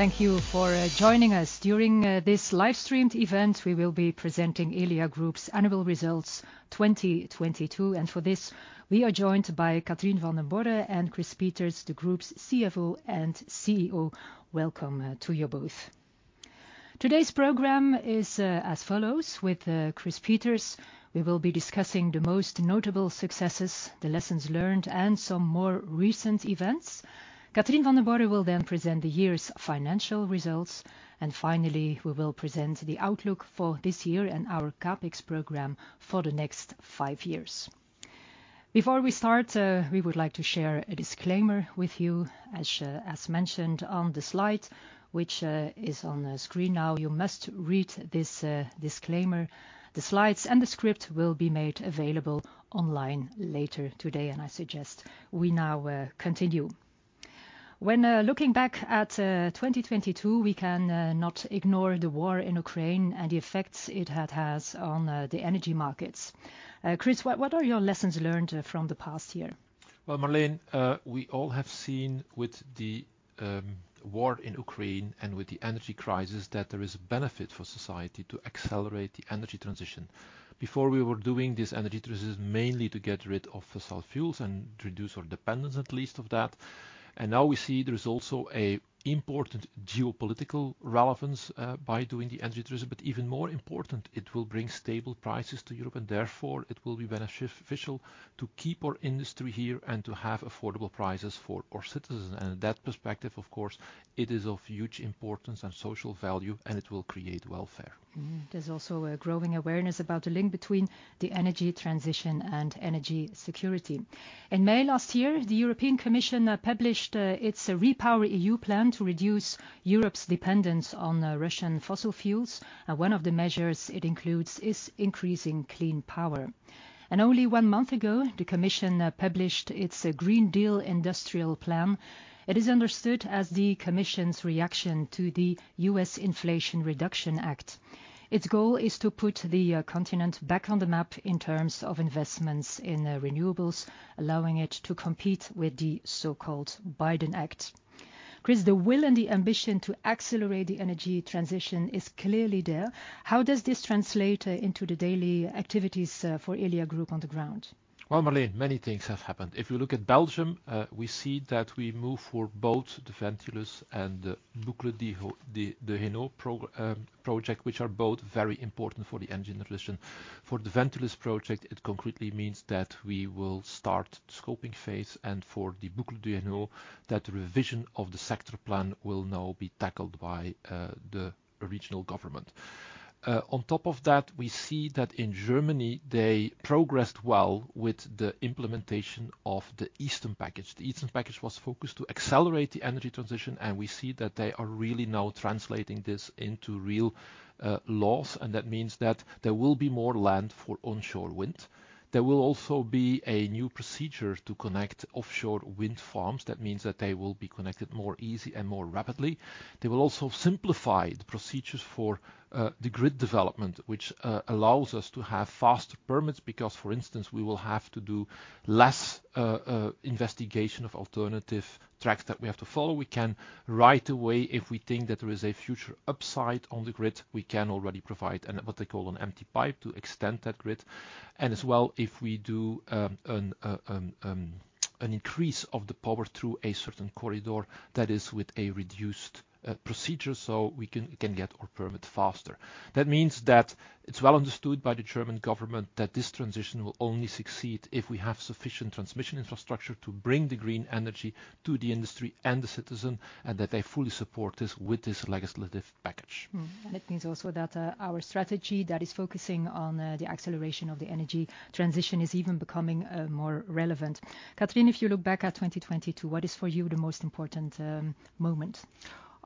Thank you for joining us. During this live-streamed event, we will be presenting Elia Group's annual results 2022. For this, we are joined by Catherine Vandenborre and Chris Peeters, the Group's CFO and CEO. Welcome to you both. Today's program is as follows: with Chris Peeters, we will be discussing the most notable successes, the lessons learned, and some more recent events. Catherine Vandenborre will then present the year's financial results. Finally, we will present the outlook for this year and our CapEx program for the next five years. Before we start, we would like to share a disclaimer with you, as mentioned on the slide which is on the screen now. You must read this disclaimer. The slides and the script will be made available online later today, I suggest we now continue. When looking back at 2022, we cannot ignore the war in Ukraine and the effects it had has on the energy markets. Chris, what are your lessons learned from the past year? Well, Marleen, we all have seen with the war in Ukraine and with the energy crisis, that there is a benefit for society to accelerate the energy transition. Before we were doing this energy transition mainly to get rid of fossil fuels and to reduce our dependence, at least, of that. Now we see there is also a important geopolitical relevance by doing the energy transition. Even more important, it will bring stable prices to Europe, and therefore it will be beneficial to keep our industry here and to have affordable prices for our citizens. In that perspective, of course, it is of huge importance and social value, and it will create welfare. There's also a growing awareness about the link between the energy transition and energy security. In May last year, the European Commission published its REPowerEU plan to reduce Europe's dependence on Russian fossil fuels. One of the measures it includes is increasing clean power. Only one month ago, the Commission published its Green Deal Industrial Plan. It is understood as the Commission's reaction to the U.S. Inflation Reduction Act. Its goal is to put the continent back on the map in terms of investments in renewables, allowing it to compete with the so-called Biden Act. Chris, the will and the ambition to accelerate the energy transition is clearly there. How does this translate into the daily activities for Elia Group on the ground? Well, Marleen, many things have happened. If you look at Belgium, we see that we move for both the Ventilus and the Boucle du Hainaut project, which are both very important for the energy transition. For the Ventilus project, it concretely means that we will start the scoping phase, and for the Boucle du Hainaut, that revision of the sector plan will now be tackled by the regional government. On top of that, we see that in Germany, they progressed well with the implementation of the Easter Package. The Easter Package was focused to accelerate the energy transition. We see that they are really now translating this into real laws. That means that there will be more land for onshore wind. There will also be a new procedure to connect offshore wind farms. That means that they will be connected more easy and more rapidly. They will also simplify the procedures for the grid development, which allows us to have faster permits, because, for instance, we will have to do less investigation of alternative tracks that we have to follow. We can right away, if we think that there is a future upside on the grid, we can already provide an what they call an empty pipe to extend that grid. As well, if we do an increase of the power through a certain corridor, that is with a reduced procedure, so we can get our permit faster. That means that it's well understood by the German government that this transition will only succeed if we have sufficient transmission infrastructure to bring the green energy to the industry and the citizen, and that they fully support this with this legislative package. It means also that, our strategy that is focusing on, the acceleration of the energy transition is even becoming more relevant. Catherine, if you look back at 2022, what is for you the most important moment?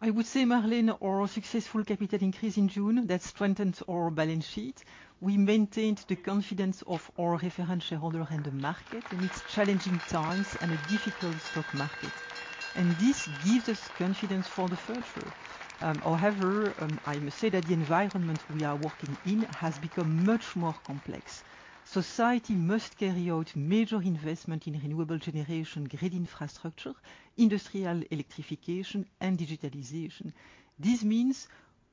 I would say, Marleen, our successful capital increase in June that strengthens our balance sheet. We maintained the confidence of our shareholder and the market amidst challenging times and a difficult stock market. This gives us confidence for the future. However, I must say that the environment we are working in has become much more complex. Society must carry out major investment in renewable generation, grid infrastructure, industrial electrification, and digitalization. This means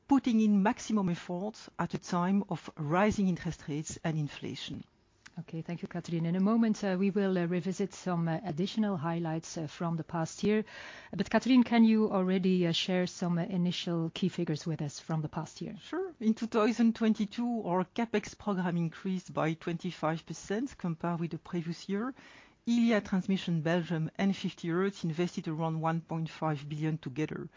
putting in maximum effort at a time of rising interest rates and inflation. Okay. Thank you, Catherine. In a moment, we will revisit some additional highlights from the past year. Catherine, can you already share some initial key figures with us from the past year? Sure. In 2022, our CapEx program increased by 25% compared with the previous year. Elia Transmission Belgium and 50Hertz invested around 1.5 billion together.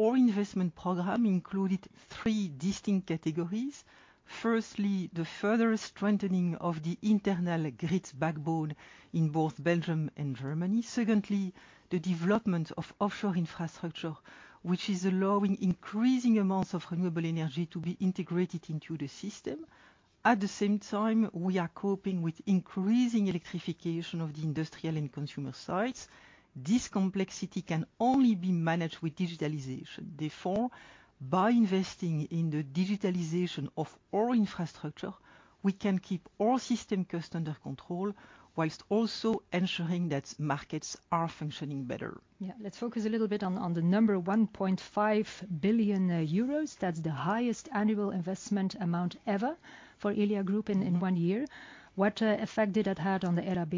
Our investment program included three distinct categories. Firstly, the further strengthening of the internal grids backbone in both Belgium and Germany. Secondly, the development of offshore infrastructure, which is allowing increasing amounts of renewable energy to be integrated into the system. At the same time, we are coping with increasing electrification of the industrial and consumer sites. This complexity can only be managed with digitalization. By investing in the digitalization of all infrastructure, we can keep all system cost under control whilst also ensuring that markets are functioning better. Yeah. Let's focus a little bit on the number 1.5 billion euros. That's the highest annual investment amount ever for Elia Group in one year. What effect did it have on the RAB,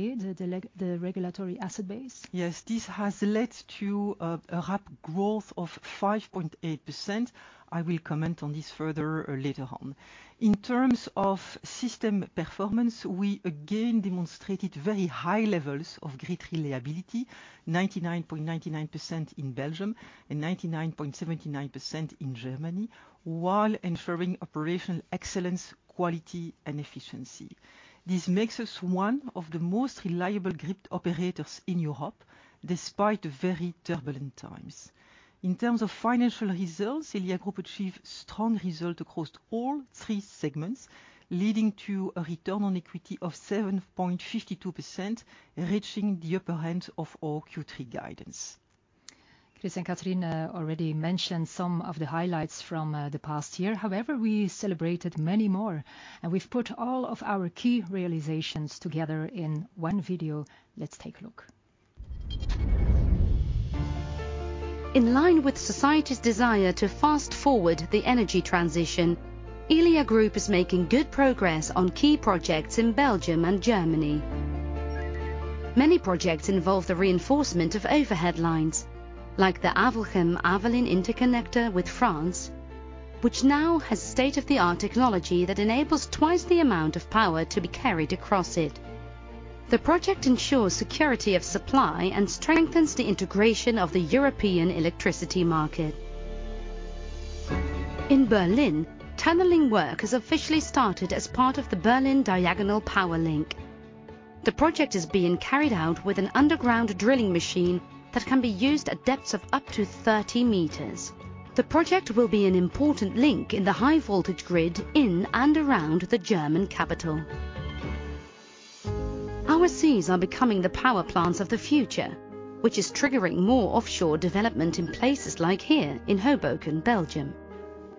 the Regulatory Asset Base? Yes. This has led to a rapid growth of 5.8%. I will comment on this further later on. In terms of system performance, we again demonstrated very high levels of grid reliability, 99.99% in Belgium and 99.79% in Germany, while ensuring operational excellence, quality, and efficiency. This makes us one of the most reliable grid operators in Europe, despite the very turbulent times. In terms of financial results, Elia Group achieved strong result across all three segments, leading to a return on equity of 7.52%, enriching the upper end of all Q3 guidance. Chris and Catherine already mentioned some of the highlights from the past year. However, we celebrated many more, and we've put all of our key realizations together in one video. Let's take a look. In line with society's desire to fast-forward the energy transition, Elia Group is making good progress on key projects in Belgium and Germany. Many projects involve the reinforcement of overhead lines, like the Avelgem-Avelin interconnector with France, which now has state-of-the-art technology that enables twice the amount of power to be carried across it. The project ensures security of supply and strengthens the integration of the European electricity market. In Berlin, tunneling work has officially started as part of the Berlin Diagonal Power Link. The project is being carried out with an underground drilling machine that can be used at depths of up to 30 meters. The project will be an important link in the high-voltage grid in and around the German capital. Our seas are becoming the power plants of the future, which is triggering more offshore development in places like here in Hoboken, Belgium.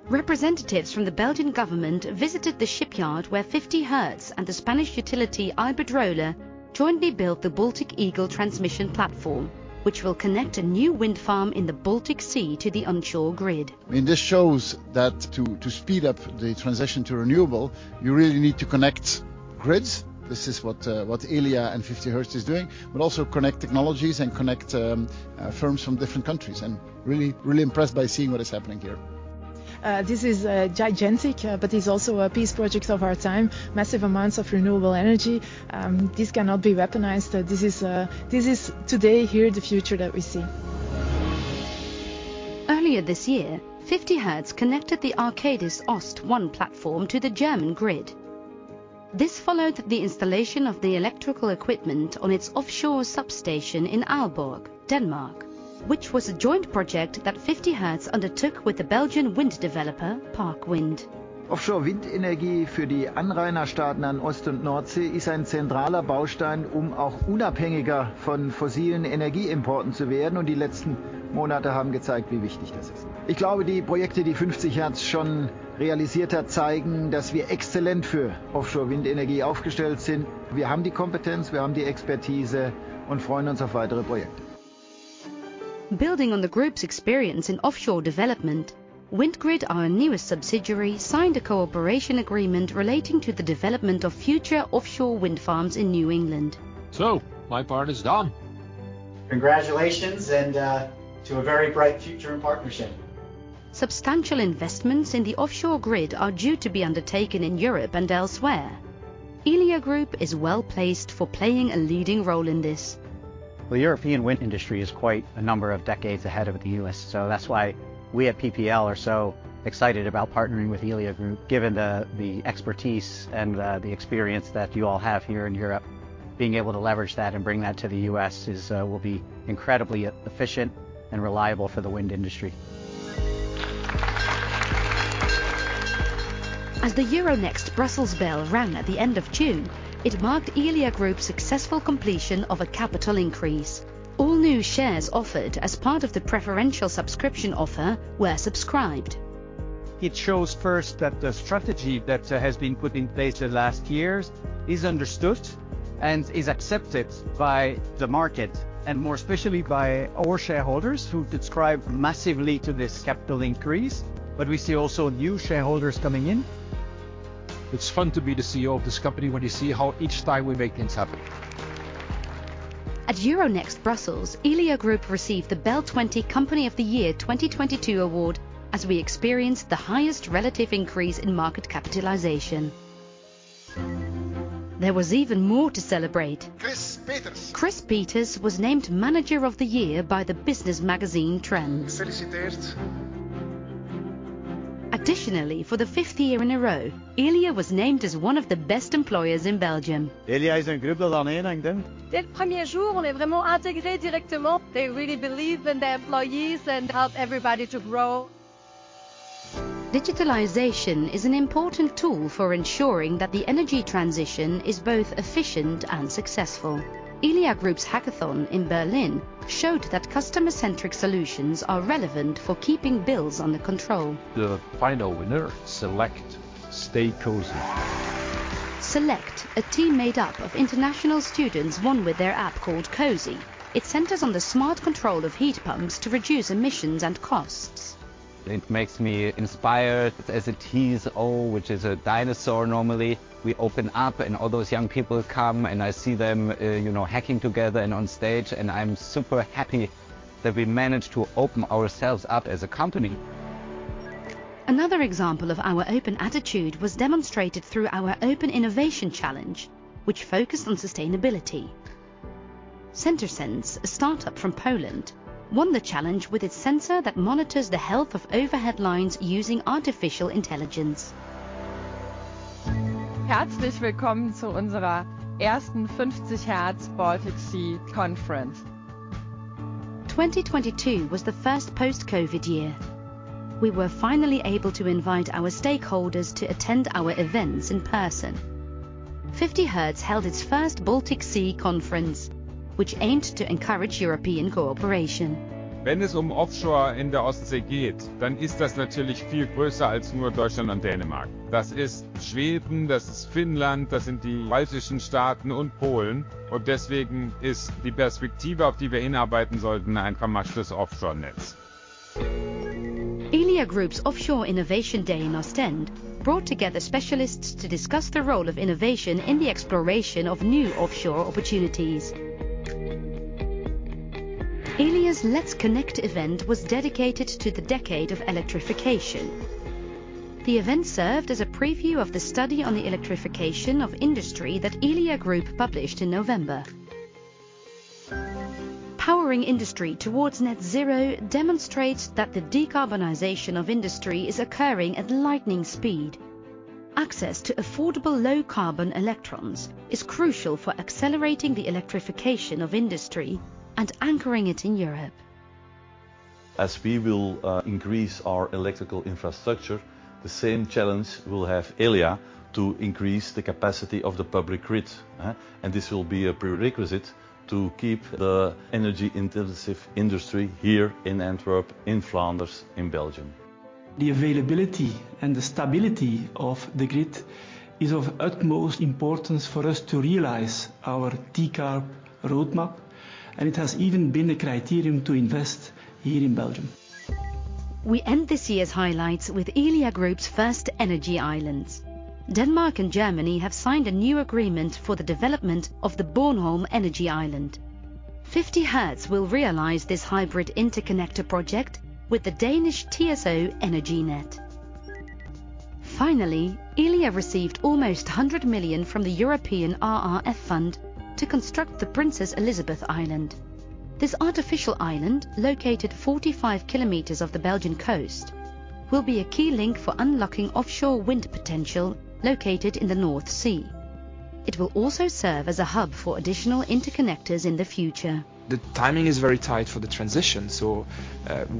Representatives from the Belgian government visited the shipyard where 50Hertz and the Spanish utility Iberdrola jointly built the Baltic Eagle transmission platform, which will connect a new wind farm in the Baltic Sea to the onshore grid. I mean, this shows that to speed up the transition to renewable, you really need to connect grids. This is what Elia and 50Hertz is doing, but also connect technologies and connect firms from different countries and really impressed by seeing what is happening here. This is gigantic, but it's also a peace project of our time. Massive amounts of renewable energy, this cannot be weaponized. This is today, here, the future that we see. Earlier this year, 50Hertz connected the Arcadis Ost 1 platform to the German grid. This followed the installation of the electrical equipment on its offshore substation in Aalborg, Denmark, which was a joint project that 50Hertz undertook with the Belgian wind developer Parkwind. Offshore wind energy for the coastal states in the East and North Sea is a central building block to become less dependent on fossil energy imports. The last few months have shown how important that is. I believe the projects that 50Hertz has already realized show that we are excellently positioned for offshore wind energy. We have the competence, we have the expertise. We look forward to further projects. Building on the group's experience in offshore development, WindGrid, our newest subsidiary, signed a cooperation agreement relating to the development of future offshore wind farms in New England. My part is done. Congratulations, to a very bright future in partnership. Substantial investments in the offshore grid are due to be undertaken in Europe and elsewhere. Elia Group is well-placed for playing a leading role in this. The European wind industry is quite a number of decades ahead of the U.S. That's why we at PPL are so excited about partnering with Elia Group, given the expertise and the experience that you all have here in Europe. Being able to leverage that and bring that to the U.S. is will be incredibly efficient and reliable for the wind industry. As the Euronext Brussels bell rang at the end of June, it marked Elia Group's successful completion of a capital increase. All new shares offered as part of the preferential subscription offer were subscribed. It shows first that the strategy that has been put in place the last years is understood and is accepted by the market and more especially by our shareholders who've subscribed massively to this capital increase. We see also new shareholders coming in. It's fun to be the CEO of this company when you see how each time we make things happen. At Euronext Brussels, Elia Group received the BEL 20 Company of the Year 2022 award as we experienced the highest relative increase in market capitalization. There was even more to celebrate. Chris Peeters. Chris Peeters was named Manager of the Year by the business magazine Trends. Additionally, for the fifth year in a row, Elia was named as one of the best employers in Belgium. Elia is a group that sticks together. They really believe in their employees and help everybody to grow. Digitalization is an important tool for ensuring that the energy transition is both efficient and successful. Elia Group's hackathon in Berlin showed that customer-centric solutions are relevant for keeping bills under control. The final winner, Select Stay °Cozy. Select, a team made up of international students, won with their app called °Cozy. It centers on the smart control of heat pumps to reduce emissions and costs. It makes me inspired as a TSO, which is a dinosaur normally. We open up, and all those young people come, and I see them, you know, hacking together and on stage, and I'm super happy that we managed to open ourselves up as a company. Another example of our open attitude was demonstrated through our open innovation challenge, which focused on sustainability. Sentrisense, a startup from Poland, won the challenge with its sensor that monitors the health of overhead lines using artificial intelligence. 2022 was the first post-COVID year. We were finally able to invite our stakeholders to attend our events in person. 50Hertz held its first Baltic Sea Conference, which aimed to encourage European cooperation. Elia Group's Offshore Innovation Day in Ostend brought together specialists to discuss the role of innovation in the exploration of new offshore opportunities. Elia's Let's Connect event was dedicated to the decade of electrification. The event served as a preview of the study on the electrification of industry that Elia Group published in November. Powering Industry towards Net Zero demonstrates that the decarbonization of industry is occurring at lightning speed. Access to affordable low-carbon electrons is crucial for accelerating the electrification of industry and anchoring it in Europe. As we will increase our electrical infrastructure, the same challenge will have Elia to increase the capacity of the public grid, huh? This will be a prerequisite to keep the energy-intensive industry here in Antwerp, in Flanders, in Belgium. The availability and the stability of the grid is of utmost importance for us to realize our decarb roadmap. It has even been a criterion to invest here in Belgium. We end this year's highlights with Elia Group's first energy islands. Denmark and Germany have signed a new agreement for the development of the Bornholm Energy Island. 50Hertz will realize this hybrid interconnector project with the Danish TSO Energinet. Finally, Elia received almost 100 million from the European RRF Fund to construct the Princess Elisabeth Island. This artificial island, located 45 km off the Belgian coast, will be a key link for unlocking offshore wind potential located in the North Sea. It will also serve as a hub for additional interconnectors in the future. The timing is very tight for the transition.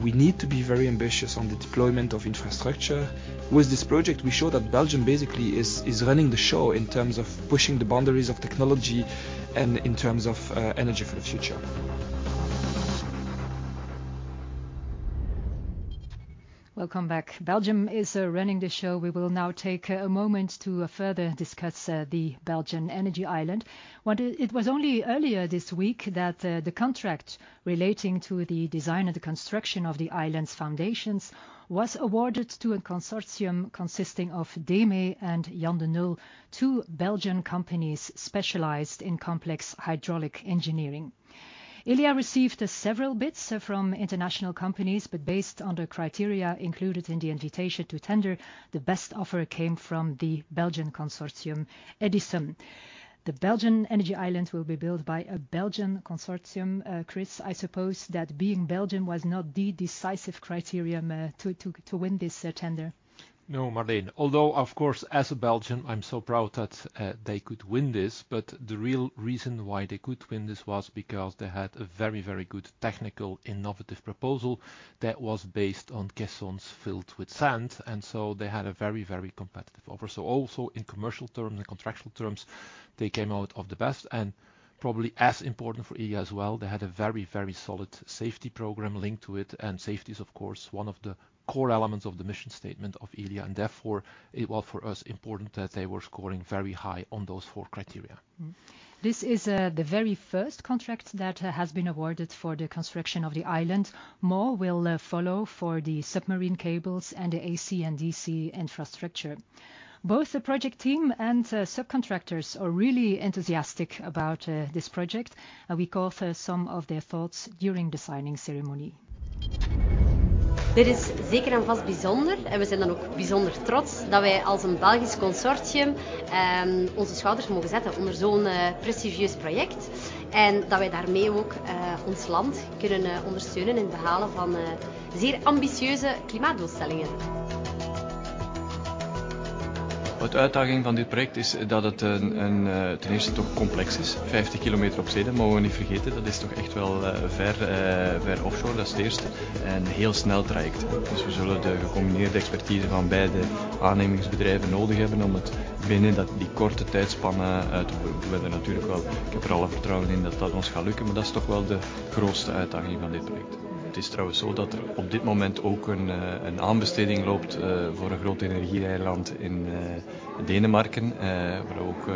We need to be very ambitious on the deployment of infrastructure. With this project, we show that Belgium basically is running the show in terms of pushing the boundaries of technology and in terms of energy for the future. Welcome back. Belgium is running the show. We will now take a moment to further discuss the Belgian energy island. It was only earlier this week that the contract relating to the design and the construction of the island's foundations was awarded to a consortium consisting of DEME and Jan De Nul, two Belgian companies specialized in complex hydraulic engineering. Elia received several bids from international companies, but based on the criteria included in the invitation to tender, the best offer came from the Belgian consortium, Edison. The Belgian energy island will be built by a Belgian consortium. Chris, I suppose that being Belgian was not the decisive criterion to win this tender. No, Marleen. Although, of course, as a Belgian, I'm so proud that they could win this. The real reason why they could win this was because they had a very, very good technical innovative proposal that was based on caissons filled with sand. They had a very, very competitive offer. Also in commercial terms and contractual terms, they came out of the best. Probably as important for Elia as well, they had a very, very solid safety program linked to it. Safety is, of course, one of the core elements of the mission statement of Elia, and therefore it was for us important that they were scoring very high on those four criteria. This is the very first contract that has been awarded for the construction of the island. More will follow for the submarine cables and the AC and DC infrastructure. Both the project team and subcontractors are really enthusiastic about this project. We caught some of their thoughts during the signing ceremony. What the uitdaging van dit project is, dat het een, ten eerste toch complex is. 50 km op zee, dat mogen we niet vergeten. Dat is toch echt wel, ver offshore. That is the first. Heel snel traject. Dus we zullen de gecombineerde expertise van beide aannemingsbedrijven nodig hebben om het binnen dat, die korte tijdspanne uit te voeren. Ik heb er alle vertrouwen in dat dat ons gaat lukken, maar dat is toch wel de grootste uitdaging van dit project. Het is trouwens zo dat er op dit moment ook een aanbesteding loopt, voor een groot energie-eiland in, Denmark, waar we ook,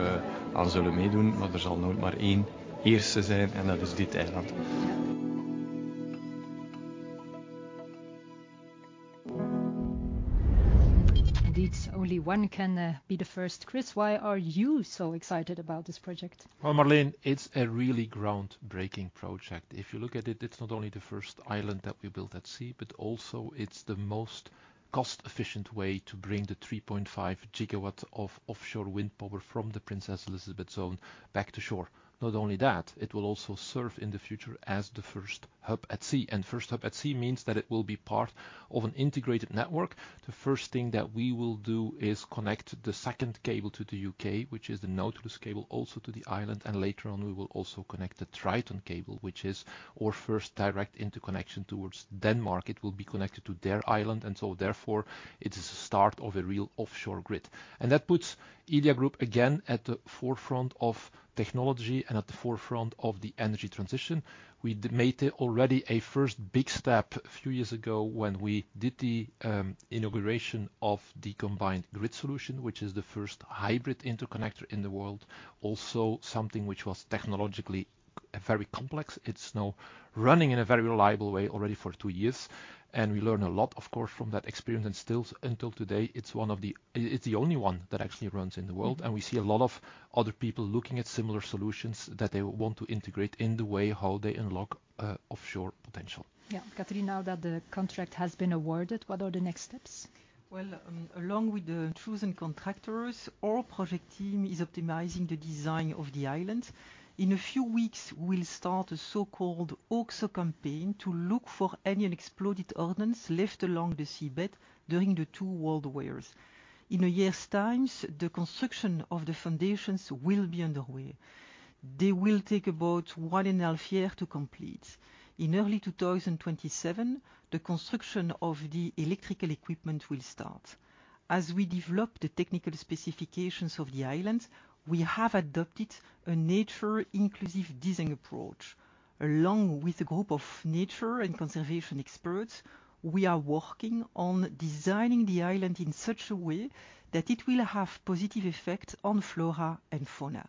aan zullen meedoen. Maar er zal nooit maar één eerste zijn en dat is dit eiland. Only one can be the first. Chris, why are you so excited about this project? Well, Marleen, it's a really groundbreaking project. If you look at it's not only the first island that we built at sea, but also it's the most cost-efficient way to bring the 3.5 GW of offshore wind power from the Princess Elisabeth Island back to shore. Not only that, it will also serve in the future as the first hub at sea. First hub at sea means that it will be part of an integrated network. The first thing that we will do is connect the second cable to the U.K., which is the Nautilus cable, also to the island. Later on, we will also connect the TritonLink cable, which is our first direct interconnection towards Denmark. It will be connected to their island, therefore it is the start of a real offshore grid. That puts Elia Group again at the forefront of technology and at the forefront of the energy transition. We made already a first big step a few years ago when we did the inauguration of the Combined Grid Solution, which is the first hybrid interconnector in the world. Also something which was technologically very complex. It's now running in a very reliable way already for two years, and we learn a lot, of course, from that experience. Still until today, it's the only one that actually runs in the world. We see a lot of other people looking at similar solutions that they want to integrate in the way how they unlock offshore potential. Yeah. Catherine, now that the contract has been awarded, what are the next steps? Well, along with the chosen contractors, our project team is optimizing the design of the island. In a few weeks, we'll start a so-called UXO campaign to look for any unexploded ordnance left along the seabed during the two world wars. In a year's time, the construction of the foundations will be underway. They will take about one and a half year to complete. In early 2027, the construction of the electrical equipment will start. As we develop the technical specifications of the island, we have adopted a nature-inclusive design approach. Along with a group of nature and conservation experts, we are working on designing the island in such a way that it will have positive effects on flora and fauna.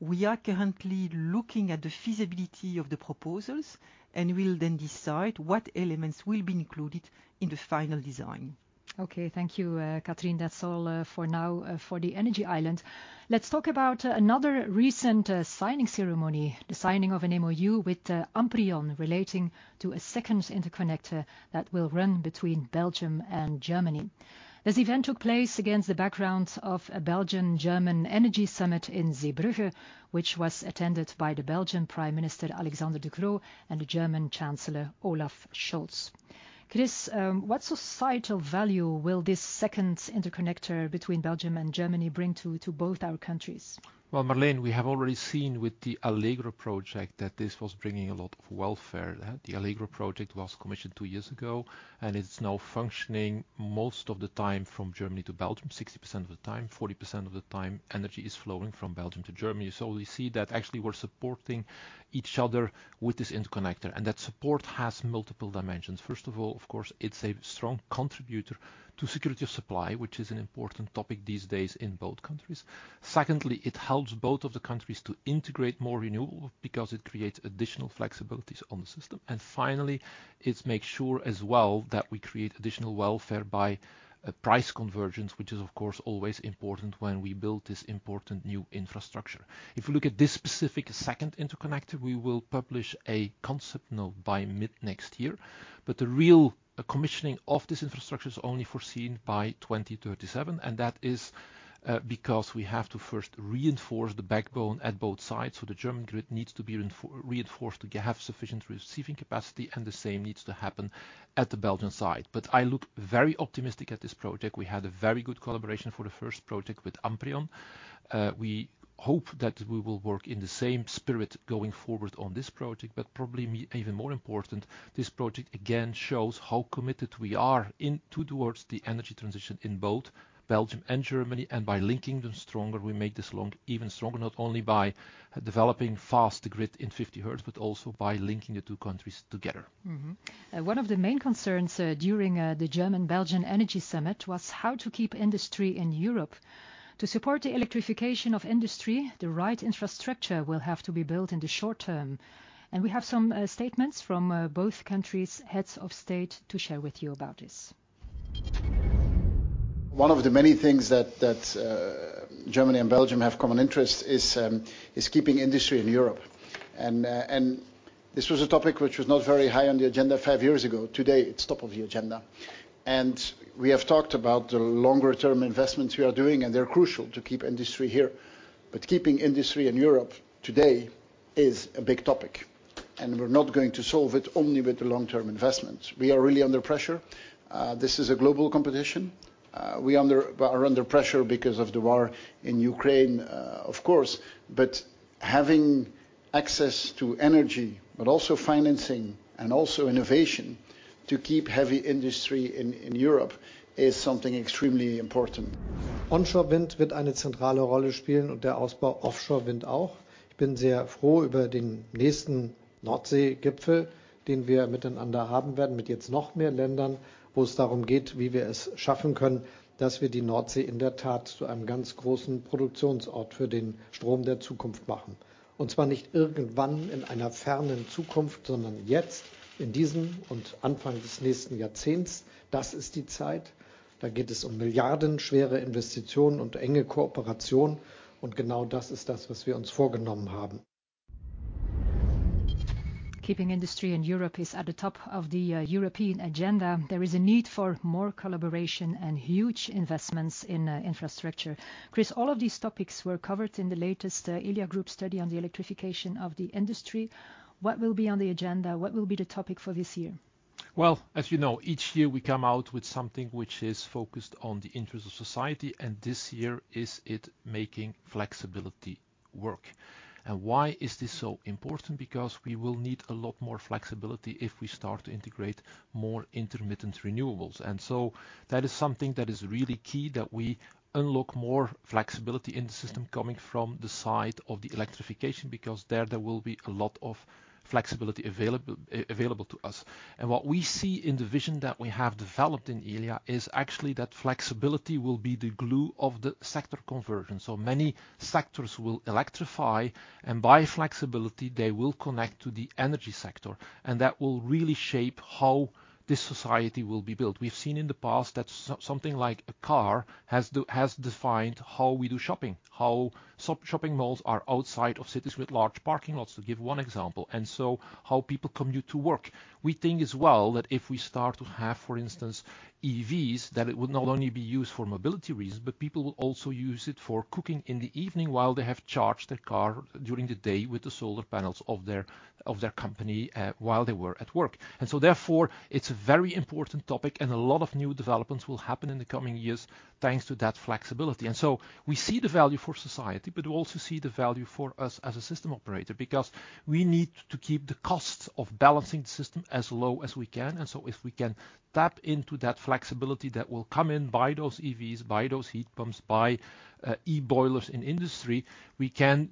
We are currently looking at the feasibility of the proposals and will then decide what elements will be included in the final design. Okay. Thank you, Catherine. That's all for now for the energy island. Let's talk about another recent signing ceremony, the signing of an MOU with Amprion relating to a second interconnector that will run between Belgium and Germany. This event took place against the background of a Belgian-German energy summit in Zeebrugge, which was attended by the Belgian Prime Minister Alexander De Croo, and the German Chancellor Olaf Scholz. Chris, what societal value will this second interconnector between Belgium and Germany bring to both our countries? Well, Marleen, we have already seen with the ALEGrO project that this was bringing a lot of welfare. The ALEGrO project was commissioned two years ago, and it's now functioning most of the time from Germany to Belgium, 60% of the time. 40% of the time, energy is flowing from Belgium to Germany. We see that actually we're supporting each other with this interconnector, and that support has multiple dimensions. First of all, of course, it's a strong contributor to security of supply, which is an important topic these days in both countries. Secondly, it helps both of the countries to integrate more renewable because it creates additional flexibilities on the system. Finally, it makes sure as well that we create additional welfare by price convergence, which is of course always important when we build this important new infrastructure. If we look at this specific second interconnector, we will publish a concept note by mid-next year. The real commissioning of this infrastructure is only foreseen by 2037, and that is because we have to first reinforce the backbone at both sides. The German grid needs to be reinforced to have sufficient receiving capacity, and the same needs to happen at the Belgian side. I look very optimistic at this project. We had a very good collaboration for the first project with Amprion. We hope that we will work in the same spirit going forward on this project, but probably even more important, this project again shows how committed we are towards the energy transition in both Belgium and Germany. By linking them stronger, we make this long even stronger, not only by developing faster grid in 50Hertz, but also by linking the two countries together. One of the main concerns during the German-Belgian energy summit was how to keep industry in Europe. To support the electrification of industry, the right infrastructure will have to be built in the short term. We have some statements from both countries' heads of state to share with you about this. One of the many things that Germany and Belgium have common interest is keeping industry in Europe. This was a topic which was not very high on the agenda five years ago. Today, it's top of the agenda. We have talked about the longer term investments we are doing, and they're crucial to keep industry here. Keeping industry in Europe today is a big topic. We're not going to solve it only with the long-term investments. We are really under pressure. This is a global competition. We are under pressure because of the war in Ukraine, of course. Having access to energy, but also financing and also innovation to keep heavy industry in Europe is something extremely important. Onshore wind wird eine zentrale Rolle spielen und der Ausbau Offshore-Wind auch. Ich bin sehr froh über den nächsten Nordsee-Gipfel, den wir miteinander haben werden, mit jetzt noch mehr Ländern, wo es darum geht, wie wir es schaffen können, dass wir die Nordsee in der Tat zu einem ganz großen Produktionsort für den Strom der Zukunft machen. Und zwar nicht irgendwann in einer fernen Zukunft, sondern jetzt in diesem und Anfang des nächsten Jahrzehnts. Das ist die Zeit. Da geht es um milliardenschwere Investitionen und enge Kooperation. Und genau das ist das, was wir uns vorgenommen haben. Keeping industry in Europe is at the top of the European agenda. There is a need for more collaboration and huge investments in infrastructure. Chris, all of these topics were covered in the latest Elia Group study on the electrification of the industry. What will be on the agenda? What will be the topic for this year? Well, as you know, each year we come out with something which is focused on the interest of society. This year is it making flexibility work. Why is this so important? We will need a lot more flexibility if we start to integrate more intermittent renewables. That is something that is really key, that we unlock more flexibility in the system coming from the side of the electrification, because there will be a lot of flexibility available to us. What we see in the vision that we have developed in Elia is actually that flexibility will be the glue of the sector conversion. Many sectors will electrify, and by flexibility, they will connect to the energy sector, and that will really shape how this society will be built. We've seen in the past that something like a car has defined how we do shopping, how shopping malls are outside of cities with large parking lots, to give one example, and so how people commute to work. We think as well that if we start to have, for instance, EVs, that it would not only be used for mobility reasons, but people will also use it for cooking in the evening while they have charged their car during the day with the solar panels of their, of their company, while they were at work. Therefore, it's a very important topic, and a lot of new developments will happen in the coming years thanks to that flexibility. We see the value for society, but we also see the value for us as a system operator, because we need to keep the costs of balancing the system as low as we can. If we can tap into that flexibility that will come in by those EVs, by those heat pumps, by e-boilers in industry, we can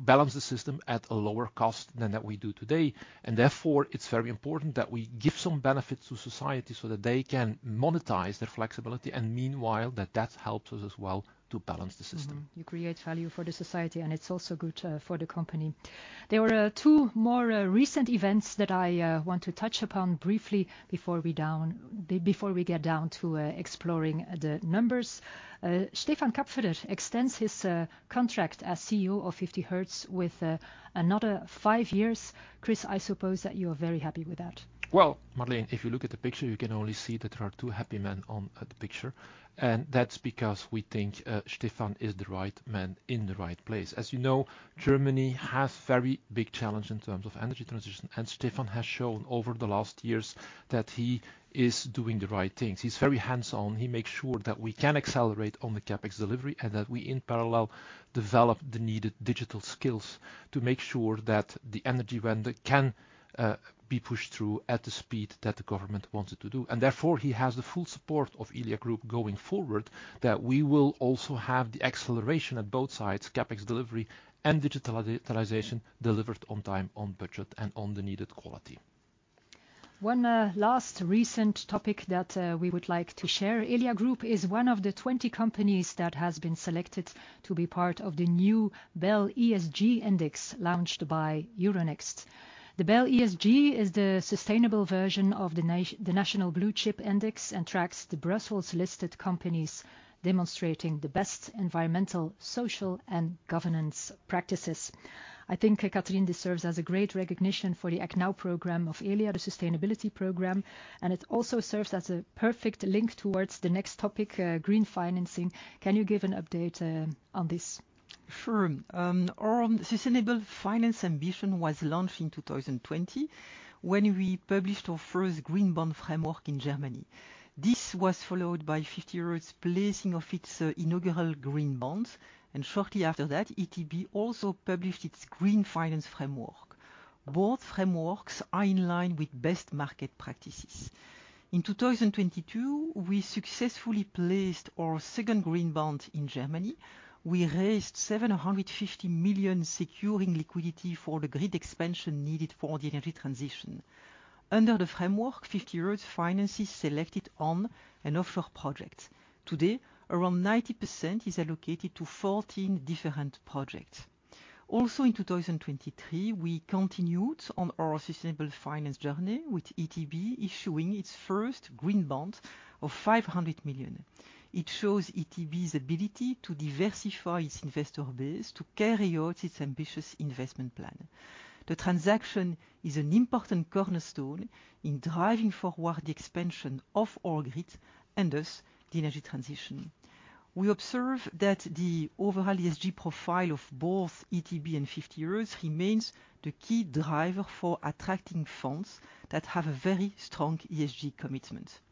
balance the system at a lower cost than that we do today. Therefore, it's very important that we give some benefit to society so that they can monetize their flexibility and meanwhile that that helps us as well to balance the system. You create value for the society, it's also good for the company. There were two more recent events that I want to touch upon briefly before we get down to exploring the numbers. Stefan Kapferer extends his contract as CEO of 50Hertz with another five years. Chris, I suppose that you are very happy with that. Marleen, if you look at the picture, you can only see that there are two happy men at the picture. That's because we think Stefan is the right man in the right place. As you know, Germany has very big challenge in terms of energy transition, Stefan has shown over the last years that he is doing the right things. He's very hands-on. He makes sure that we can accelerate on the CapEx delivery and that we, in parallel, develop the needed digital skills to make sure that the energy vendor can be pushed through at the speed that the government wants it to do. Therefore, he has the full support of Elia Group going forward, that we will also have the acceleration at both sides, CapEx delivery and digitalization delivered on time, on budget, and on the needed quality. One, last recent topic that we would like to share. Elia Group is one of the 20 companies that has been selected to be part of the new BEL ESG Index, launched by Euronext. The BEL ESG is the sustainable version of the national blue chip index and tracks the Brussels-listed companies demonstrating the best environmental, social, and governance practices. I think, Catherine, this serves as a great recognition for the ActNow program of Elia, the sustainability program, and it also serves as a perfect link towards the next topic, green financing. Can you give an update on this? Sure. Our sustainable finance ambition was launched in 2020, when we published our first green bond framework in Germany. This was followed by 50Hertz placing of its inaugural green bonds, and shortly after that, ETB also published its green finance framework. Both frameworks are in line with best market practices. In 2022, we successfully placed our second green bond in Germany. We raised 750 million, securing liquidity for the grid expansion needed for the energy transition. Under the framework, 50Hertz finances selected on- and offshore projects. Today, around 90% is allocated to 14 different projects. Also in 2023, we continued on our sustainable finance journey with ETB issuing its first green bond of 500 million. It shows ETB's ability to diversify its investor base to carry out its ambitious investment plan. The transaction is an important cornerstone in driving forward the expansion of our grid and thus the energy transition. We observe that the overall ESG profile of both ETB and 50Hertz remains the key driver for attracting funds that have a very strong ESG commitment.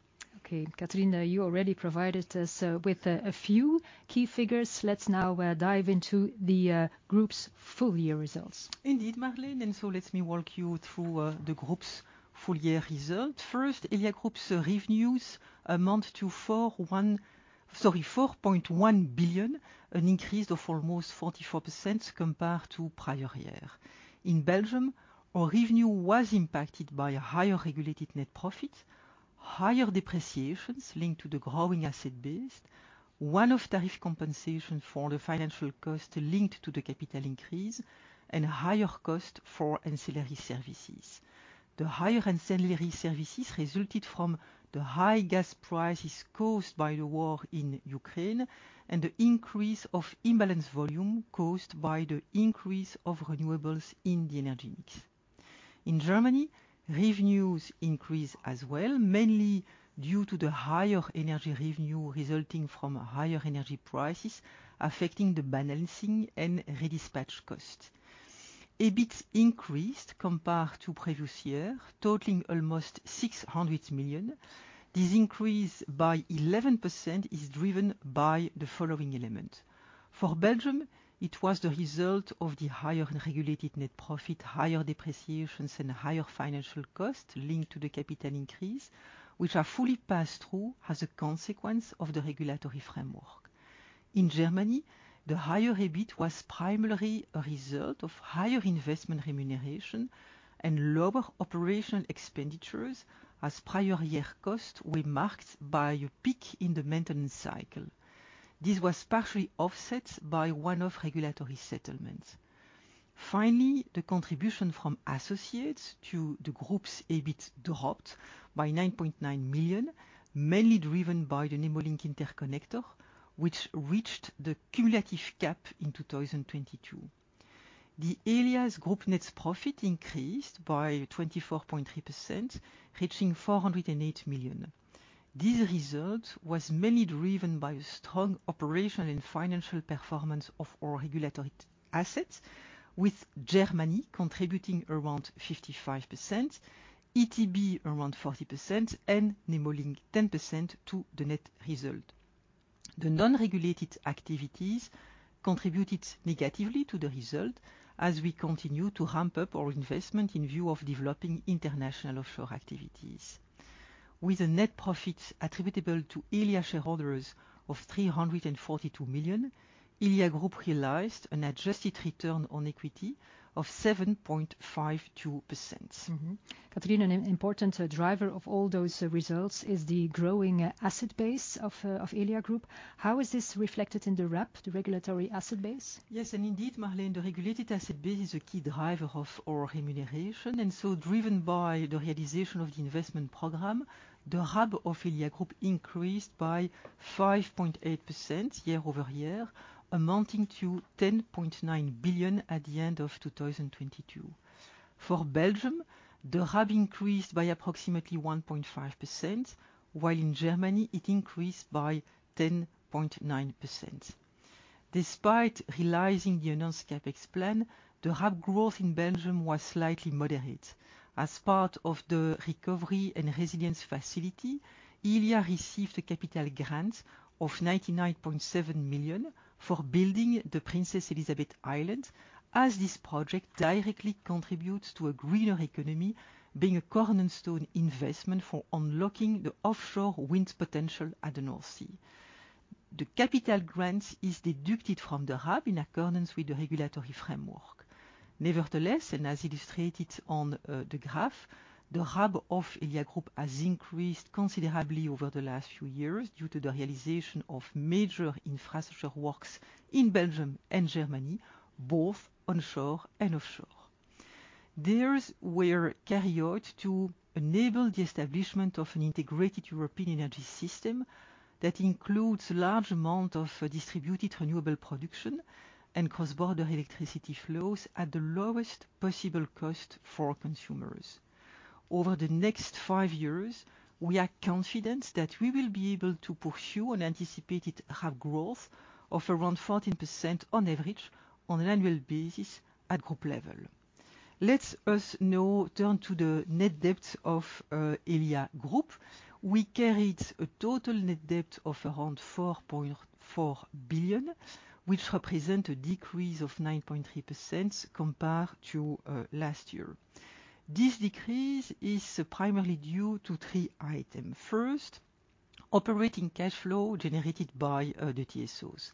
Catherine, you already provided us with a few key figures. Let's now dive into the group's full year results. Indeed, Marleen. Let me walk you through the Group's full year result. First, Elia Group's revenues amount to 4.1 billion, an increase of almost 44% compared to prior year. In Belgium, our revenue was impacted by a higher regulated net profit, higher depreciations linked to the growing asset base, one-off tariff compensation for the financial cost linked to the capital increase, and higher cost for ancillary services. The higher ancillary services resulted from the high gas prices caused by the war in Ukraine and the increase of imbalanced volume caused by the increase of renewables in the energy mix. In Germany, revenues increased as well, mainly due to the higher energy revenue resulting from higher energy prices affecting the balancing and redispatch cost. EBIT increased compared to previous year, totaling almost 600 million. This increase by 11% is driven by the following element. For Belgium, it was the result of the higher unregulated net profit, higher depreciations, and higher financial cost linked to the capital increase, which are fully passed through as a consequence of the regulatory framework. In Germany, the higher EBIT was primarily a result of higher investment remuneration and lower operational expenditures, as prior year costs were marked by a peak in the maintenance cycle. This was partially offset by one-off regulatory settlements. Finally, the contribution from associates to the group's EBIT dropped by 9.9 million, mainly driven by the Nemo Link interconnector, which reached the cumulative cap in 2022. The Elia Group's net profit increased by 24.3%, reaching 408 million. This result was mainly driven by a strong operational and financial performance of our regulatory assets, with Germany contributing around 55%, ETB around 40%, and Nemo Link 10% to the net result. The non-regulated activities contributed negatively to the result, as we continue to ramp up our investment in view of developing international offshore activities. With a net profit attributable to Elia Group shareholders of 342 million, Elia Group realized an adjusted ROE of 7.52%. Catherine, an important driver of all those results is the growing asset base of Elia Group. How is this reflected in the RAB, the Regulatory Asset Base? Indeed, Marleen, the Regulated Asset Base is a key driver of our remuneration. Driven by the realization of the investment program, the RAB of Elia Group increased by 5.8% year-over-year, amounting to 10.9 billion at the end of 2022. For Belgium, the RAB increased by approximately 1.5%, while in Germany it increased by 10.9%. Despite realizing the enhanced CapEx plan, the RAB growth in Belgium was slightly moderate. As part of the Recovery and Resilience Facility, Elia received a capital grant of 99.7 million for building the Princess Elisabeth Island, as this project directly contributes to a greener economy, being a cornerstone investment for unlocking the offshore wind potential at the North Sea. The capital grant is deducted from the RAB in accordance with the regulatory framework. Nevertheless, as illustrated on the graph, the RAB of Elia Group has increased considerably over the last few years due to the realization of major infrastructure works in Belgium and Germany, both onshore and offshore. These were carried out to enable the establishment of an integrated European energy system that includes large amount of distributed renewable production and cross-border electricity flows at the lowest possible cost for consumers. Over the next five years, we are confident that we will be able to pursue an anticipated high growth of around 14% on average on an annual basis at Group level. Let us now turn to the net debt of Elia Group. We carried a total net debt of around 4.4 billion, which represent a decrease of 9.3% compared to last year. This decrease is primarily due to three item. First, operating cash flow generated by the TSOs.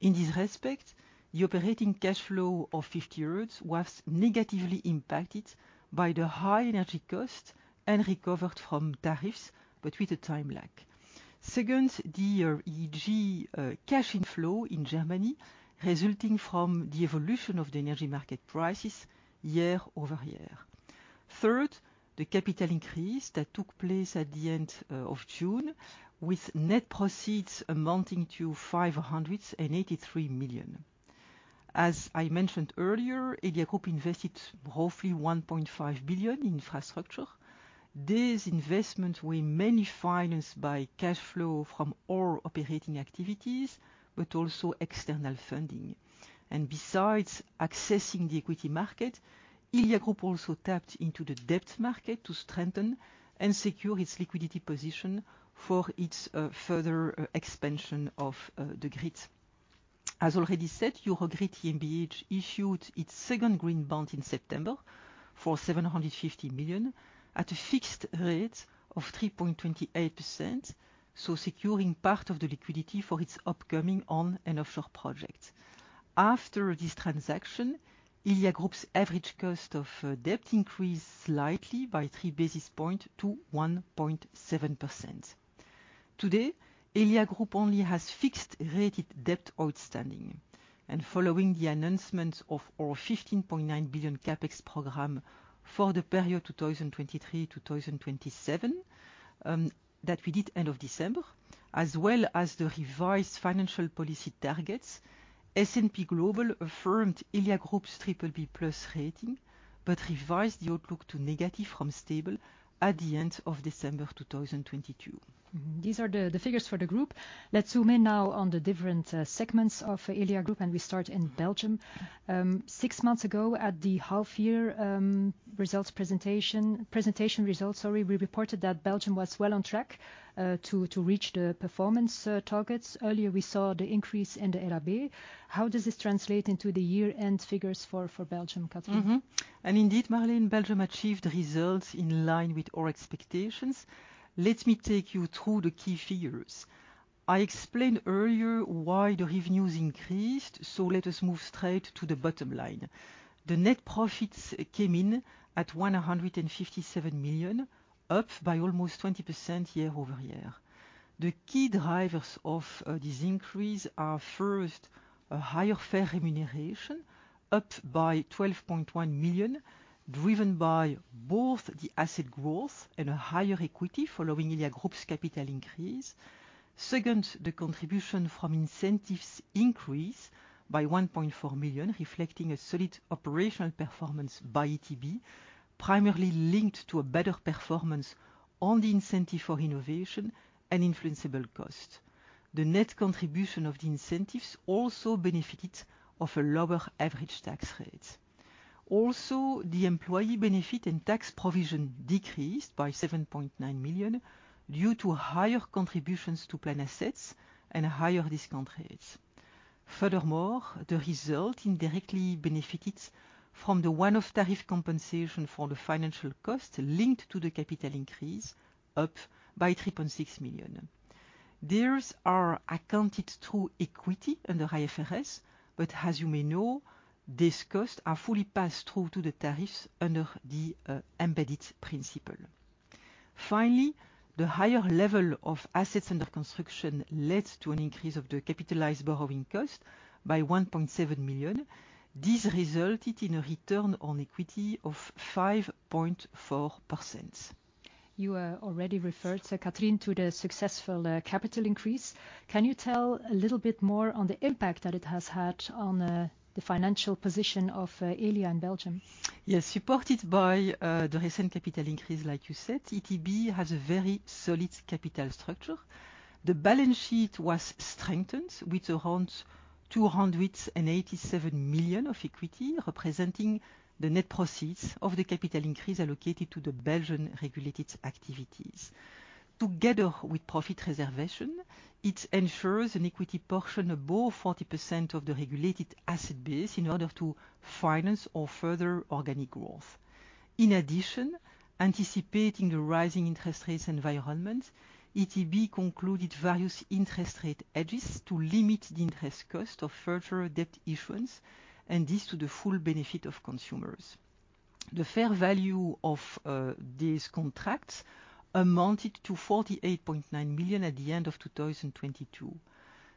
In this respect, the operating cash flow of 50Hertz was negatively impacted by the high energy cost and recovered from tariffs, but with a time lag. Second, the EEG cash inflow in Germany resulting from the evolution of the energy market prices year over year. Third, the capital increase that took place at the end of June with net proceeds amounting to 583 million. As I mentioned earlier, Elia Group invested roughly 1.5 billion in infrastructure. These investments were mainly financed by cashflow from all operating activities, but also external funding. Besides accessing the equity market, Elia Group also tapped into the debt market to strengthen and secure its liquidity position for its further expansion of the grid. As already said, Eurogrid GmbH issued its second green bond in September for 750 million at a fixed rate of 3.28%, so securing part of the liquidity for its upcoming on and offshore projects. After this transaction, Elia Group's average cost of debt increased slightly by three basis point to 1.7%. Today, Elia Group only has fixed rated debt outstanding. Following the announcement of our 15.9 billion CapEx program for the period 2023-2027, that we did end of December, as well as the revised financial policy targets, S&P Global affirmed Elia Group's BBB+ rating, but revised the outlook to negative from stable at the end of December 2022. These are the figures for the group. Let's zoom in now on the different segments of Elia Group. We start in Belgium. Six months ago, at the half year presentation results, sorry, we reported that Belgium was well on track to reach the performance targets. Earlier, we saw the increase in the RAB. How does this translate into the year-end figures for Belgium, Catherine? Indeed, Marleen, Belgium achieved results in line with our expectations. Let me take you through the key figures. I explained earlier why the revenues increased, so let us move straight to the bottom line. The net profits came in at 157 million, up by almost 20% year-over-year. The key drivers of this increase are, first, a higher fair remuneration, up by 12.1 million, driven by both the asset growth and a higher equity following Elia Group's capital increase. Second, the contribution from incentives increase by 1.4 million, reflecting a solid operational performance by ETB, primarily linked to a better performance on the incentive for innovation and influenceable cost. The net contribution of the incentives also benefited of a lower average tax rate. The employee benefit and tax provision decreased by 7.9 million due to higher contributions to plan assets and higher discount rates. The result indirectly benefited from the one-off tariff compensation for the financial cost linked to the capital increase, up by 3.6 million. These are accounted through equity under IFRS, as you may know, these costs are fully passed through to the tariffs under the embedded principle. The higher level of assets under construction led to an increase of the capitalized borrowing cost by 1.7 million. This resulted in a return on equity of 5.4%. You already referred, Catherine, to the successful capital increase. Can you tell a little bit more on the impact that it has had on the financial position of Elia in Belgium? Yes. Supported by the recent capital increase, like you said, ETB has a very solid capital structure. The balance sheet was strengthened with around 287 million of equity, representing the net proceeds of the capital increase allocated to the Belgian regulated activities. Together with profit reservation, it ensures an equity portion above 40% of the Regulated Asset Base in order to finance our further organic growth. In addition, anticipating the rising interest rates environment, ETB concluded various interest rate hedges to limit the interest cost of further debt issuance, and this to the full benefit of consumers. The fair value of these contracts amounted to 48.9 million at the end of 2022.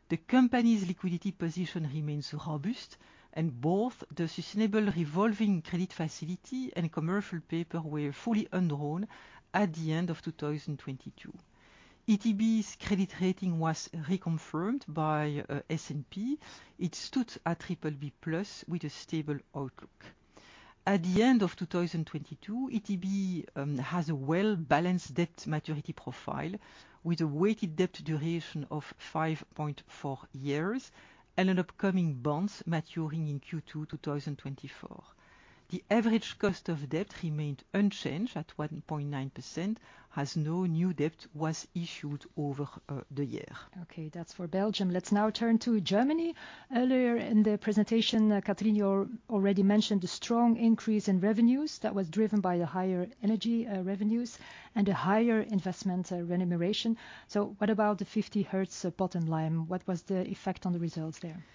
The company's liquidity position remains robust, and both the sustainable revolving credit facility and commercial paper were fully undrawn at the end of 2022. ETB's credit rating was reconfirmed by S&P. It stood at BBB+ with a stable outlook. At the end of 2022, ETB has a well-balanced debt maturity profile with a weighted debt duration of 5.4 years and an upcoming bonds maturing in Q2 2024. The average cost of debt remained unchanged at 1.9%, as no new debt was issued over the year. Okay, that's for Belgium. Let's now turn to Germany. Earlier in the presentation, Catherine, you already mentioned the strong increase in revenues that was driven by the higher energy revenues and the higher investment remuneration. What about the 50Hertz bottom line? What was the effect on the results there?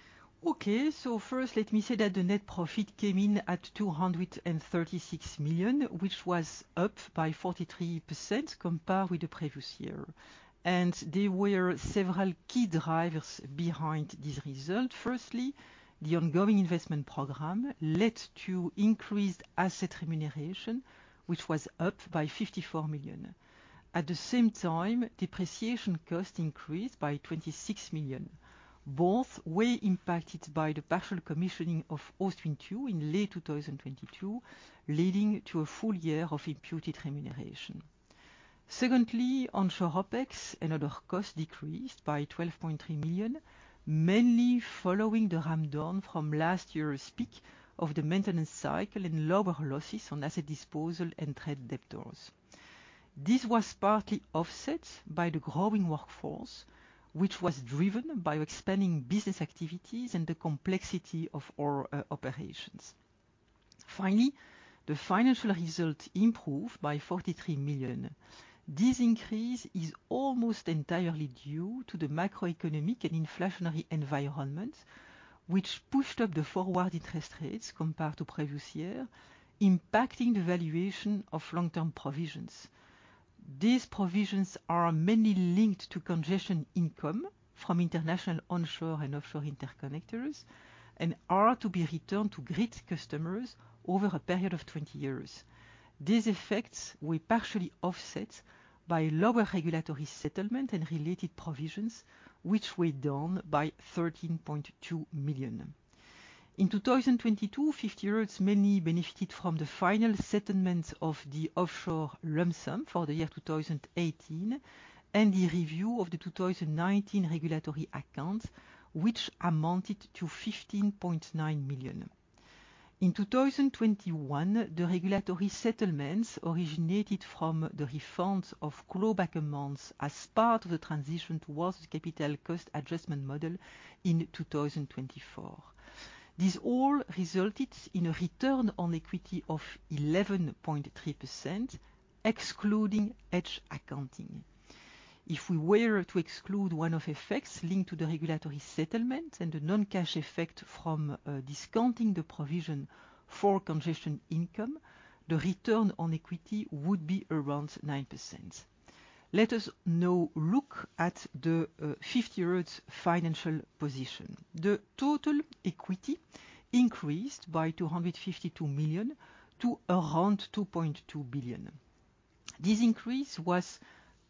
First let me say that the net profit came in at 236 million, which was up by 43% compared with the previous year. There were several key drivers behind this result. Firstly, the ongoing investment program led to increased asset remuneration, which was up by 54 million. At the same time, depreciation cost increased by 26 million. Both were impacted by the partial commissioning of Ostwind 2 in late 2022, leading to a full year of imputed remuneration. Secondly, onshore OpEx and other costs decreased by 12.3 million, mainly following the ramp down from last year's peak of the maintenance cycle and lower losses on asset disposal and trade debtors. This was partly offset by the growing workforce, which was driven by expanding business activities and the complexity of our operations. The financial result improved by 43 million. This increase is almost entirely due to the macroeconomic and inflationary environment, which pushed up the forward interest rates compared to previous year, impacting the valuation of long-term provisions. These provisions are mainly linked to congestion income from international onshore and offshore interconnectors and are to be returned to grid customers over a period of 20 years. These effects were partially offset by lower regulatory settlement and related provisions, which were down by 13.2 million. In 2022, 50Hertz mainly benefited from the final settlement of the offshore lump sum for the year 2018 and the review of the 2019 regulatory accounts, which amounted to 15.9 million. In 2021, the regulatory settlements originated from the refunds of clawback amounts as part of the transition towards the capital cost adjustment model in 2024. This all resulted in a return on equity of 11.3%, excluding hedge accounting. If we were to exclude one-off effects linked to the regulatory settlement and the non-cash effect from discounting the provision for congestion income, the return on equity would be around 9%. Let us now look at the 50Hertz financial position. The total equity increased by 252 million to around 2.2 billion. This increase was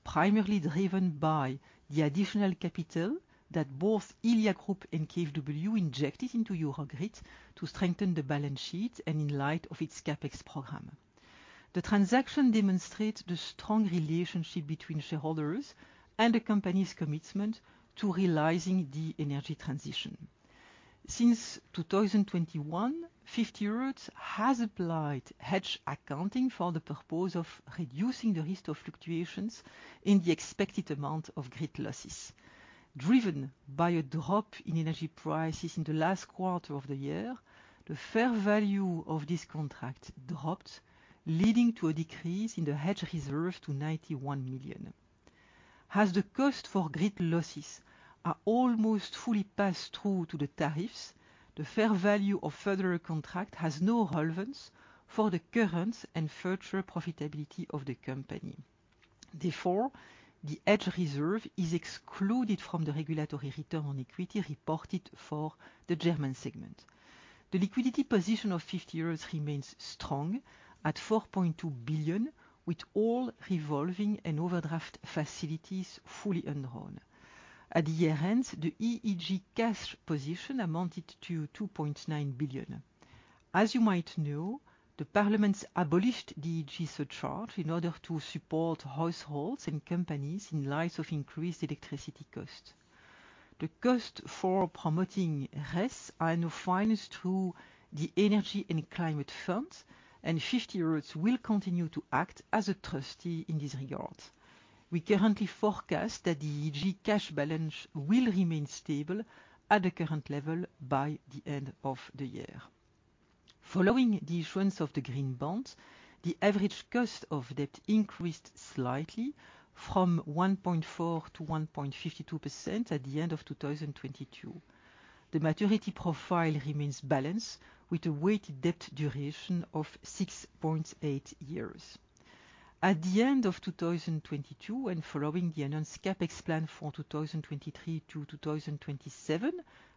primarily driven by the additional capital that both Elia Group and KfW injected into Eurogrid to strengthen the balance sheet and in light of its CapEx program. The transaction demonstrates the strong relationship between shareholders and the company's commitment to realizing the energy transition. Since 2021, 50Hertz has applied hedge accounting for the purpose of reducing the risk of fluctuations in the expected amount of grid losses. Driven by a drop in energy prices in the last quarter of the year, the fair value of this contract dropped, leading to a decrease in the hedge reserve to 91 million. As the cost for grid losses are almost fully passed through to the tariffs, the fair value of further contract has no relevance for the current and future profitability of the company. Therefore, the hedge reserve is excluded from the regulatory return on equity reported for the German segment. The liquidity position of 50Hertz remains strong at 4.2 billion, with all revolving and overdraft facilities fully undrawn. At the year-end, the EEG cash position amounted to 2.9 billion. As you might know, the parliaments abolished the EEG surcharge in order to support households and companies in light of increased electricity costs. The cost for promoting RES are now financed through the energy and climate funds, and 50Hertz will continue to act as a trustee in this regard. We currently forecast that the EEG cash balance will remain stable at the current level by the end of the year. Following the issuance of the Green Bond, the average cost of debt increased slightly from 1.4%-1.52% at the end of 2022. The maturity profile remains balanced with a weighted debt duration of 6.8 years. At the end of 2022, and following the announced CapEx plan for 2023-2027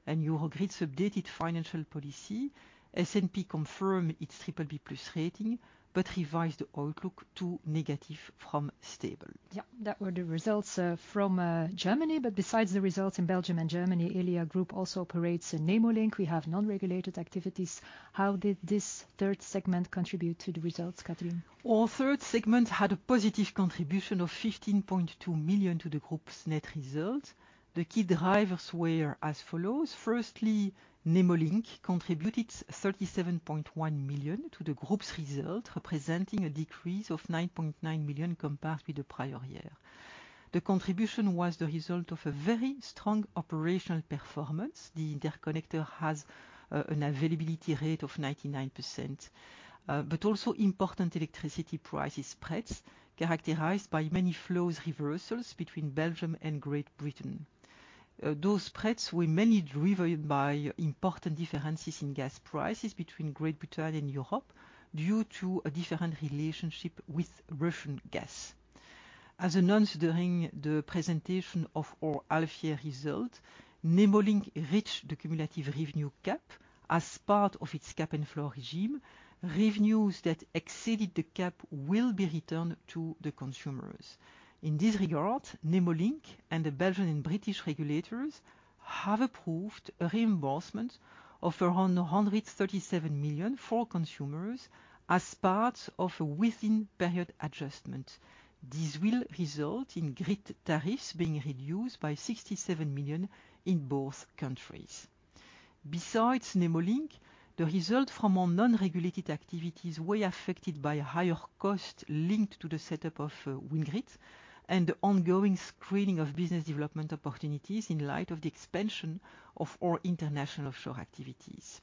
and Eurogrid's updated financial policy, S&P confirmed its BBB+ rating, but revised the outlook to negative from stable. Yeah. That were the results from Germany. Besides the results in Belgium and Germany, Elia Group also operates a Nemo Link. We have non-regulated activities. How did this third segment contribute to the results, Catherine? Our third segment had a positive contribution of 15.2 million to the Group's net results. The key drivers were as follows: Firstly, Nemo Link contributed 37.1 million to the Group's result, representing a decrease of 9.9 million compared with the prior year. The contribution was the result of a very strong operational performance. The interconnector has an availability rate of 99%. Also important electricity prices spreads characterized by many flows reversals between Belgium and Great Britain. Those spreads were mainly driven by important differences in gas prices between Great Britain and Europe due to a different relationship with Russian gas. As announced during the presentation of our half-year result, Nemo Link reached the cumulative revenue cap. As part of its cap and floor regime, revenues that exceeded the cap will be returned to the consumers. In this regard, Nemo Link and the Belgian and British regulators have approved a reimbursement of around 137 million for consumers as part of a within period adjustment. This will result in grid tariffs being reduced by 67 million in both countries. Besides Nemo Link, the result from our non-regulated activities were affected by a higher cost linked to the setup of WindGrid and the ongoing screening of business development opportunities in light of the expansion of our international offshore activities.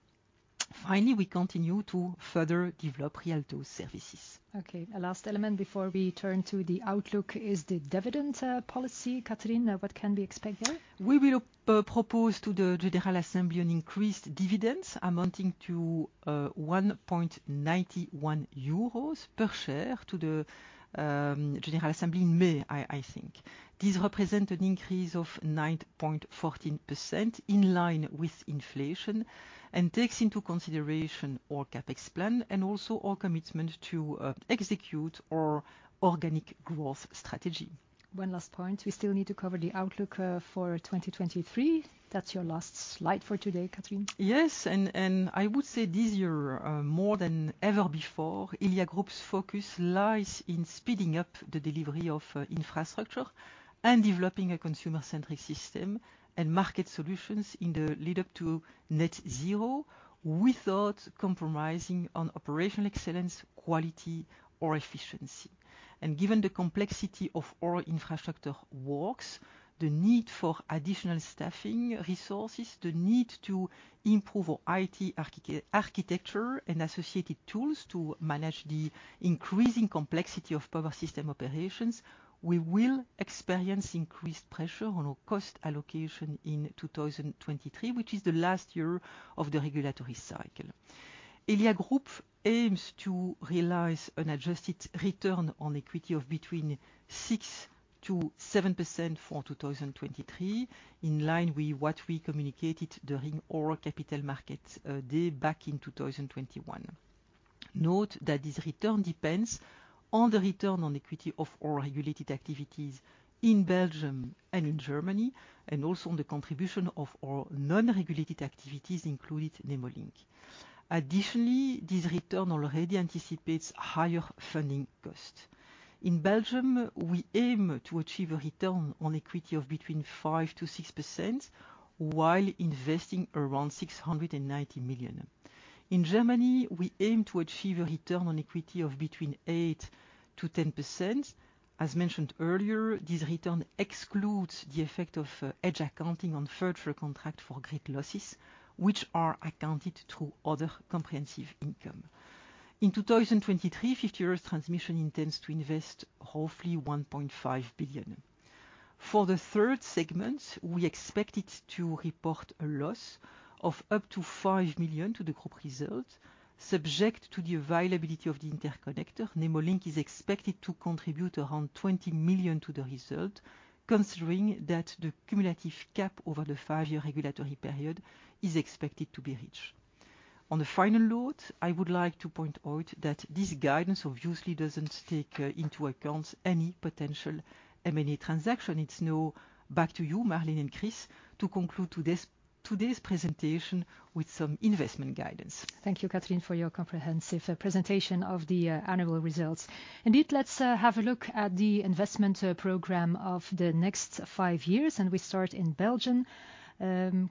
Finally, we continue to further develop re.alto services. Okay. Last element before we turn to the outlook is the dividend, policy. Catherine, what can we expect there? We will propose to the General Assembly an increased dividends amounting to 1.91 euros per share to the General Assembly in May, I think. This represent an increase of 9.14% in line with inflation, and takes into consideration our CapEx plan and also our commitment to execute our organic growth strategy. One last point. We still need to cover the outlook for 2023. That's your last slide for today, Catherine. I would say this year, more than ever before, Elia Group's focus lies in speeding up the delivery of infrastructure and developing a consumer-centric system and market solutions in the lead up to net zero without compromising on operational excellence, quality or efficiency. Given the complexity of our infrastructure works, the need for additional staffing resources, the need to improve our IT architecture and associated tools to manage the increasing complexity of power system operations, we will experience increased pressure on our cost allocation in 2023, which is the last year of the regulatory cycle. Elia Group aims to realize an adjusted return on equity of between 6%-7% for 2023, in line with what we communicated during our capital market day back in 2021. Note that this return depends on the return on equity of our regulated activities in Belgium and in Germany, and also on the contribution of our non-regulated activities, including Nemo Link. Additionally, this return already anticipates higher funding costs. In Belgium, we aim to achieve a return on equity of between 5%-6% while investing around 690 million. In Germany, we aim to achieve a return on equity of between 8%-10%. As mentioned earlier, this return excludes the effect of hedge accounting on future contract for grid losses, which are accounted through other comprehensive income. In 2023, 50Hertz Transmission intends to invest roughly 1.5 billion. For the third segment, we expect it to report a loss of up to 5 million to the group result. Subject to the availability of the interconnector, Nemo Link is expected to contribute around 20 million to the result, considering that the cumulative cap over the five-year regulatory period is expected to be reached. On the final note, I would like to point out that this guidance obviously doesn't take into account any potential M&A transaction. It's now back to you, Marleen and Chris, to conclude today's presentation with some investment guidance. Thank you, Catherine, for your comprehensive presentation of the annual results. Let's have a look at the investment program of the next five years, and we start in Belgium.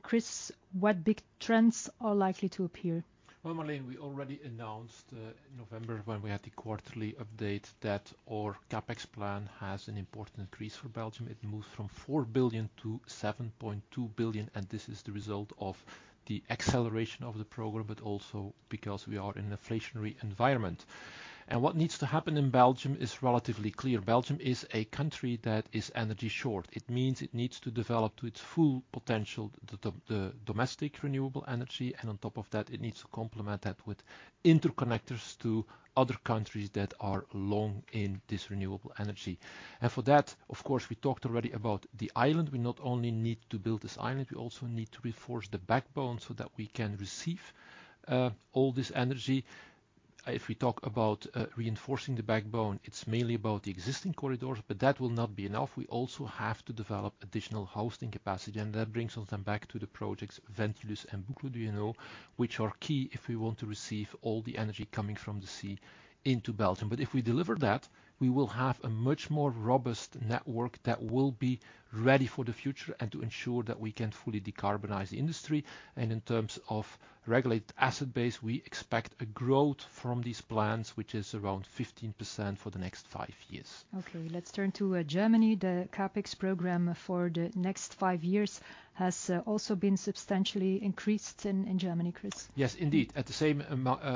Chris, what big trends are likely to appear? Well, Marleen, we already announced November when we had the quarterly update that our CapEx plan has an important increase for Belgium. It moves from 4 billion to 7.2 billion, and this is the result of the acceleration of the program, but also because we are in an inflationary environment. What needs to happen in Belgium is relatively clear. Belgium is a country that is energy short. It means it needs to develop to its full potential the domestic renewable energy, and on top of that, it needs to complement that with interconnectors to other countries that are long in this renewable energy. For that, of course, we talked already about the island. We not only need to build this Princess Elisabeth Island, we also need to reinforce the backbone so that we can receive all this energy. If we talk about reinforcing the backbone, it's mainly about the existing corridors, but that will not be enough. We also have to develop additional hosting capacity, that brings us then back to the projects Ventilus and Boucle du Hainaut, which are key if we want to receive all the energy coming from the sea into Belgium. If we deliver that, we will have a much more robust network that will be ready for the future and to ensure that we can fully decarbonize the industry. In terms of Regulatory Asset Base, we expect a growth from these plans, which is around 15% for the next five years. Okay. Let's turn to Germany. The CapEx program for the next five years has also been substantially increased in Germany, Chris. Yes, indeed. At the same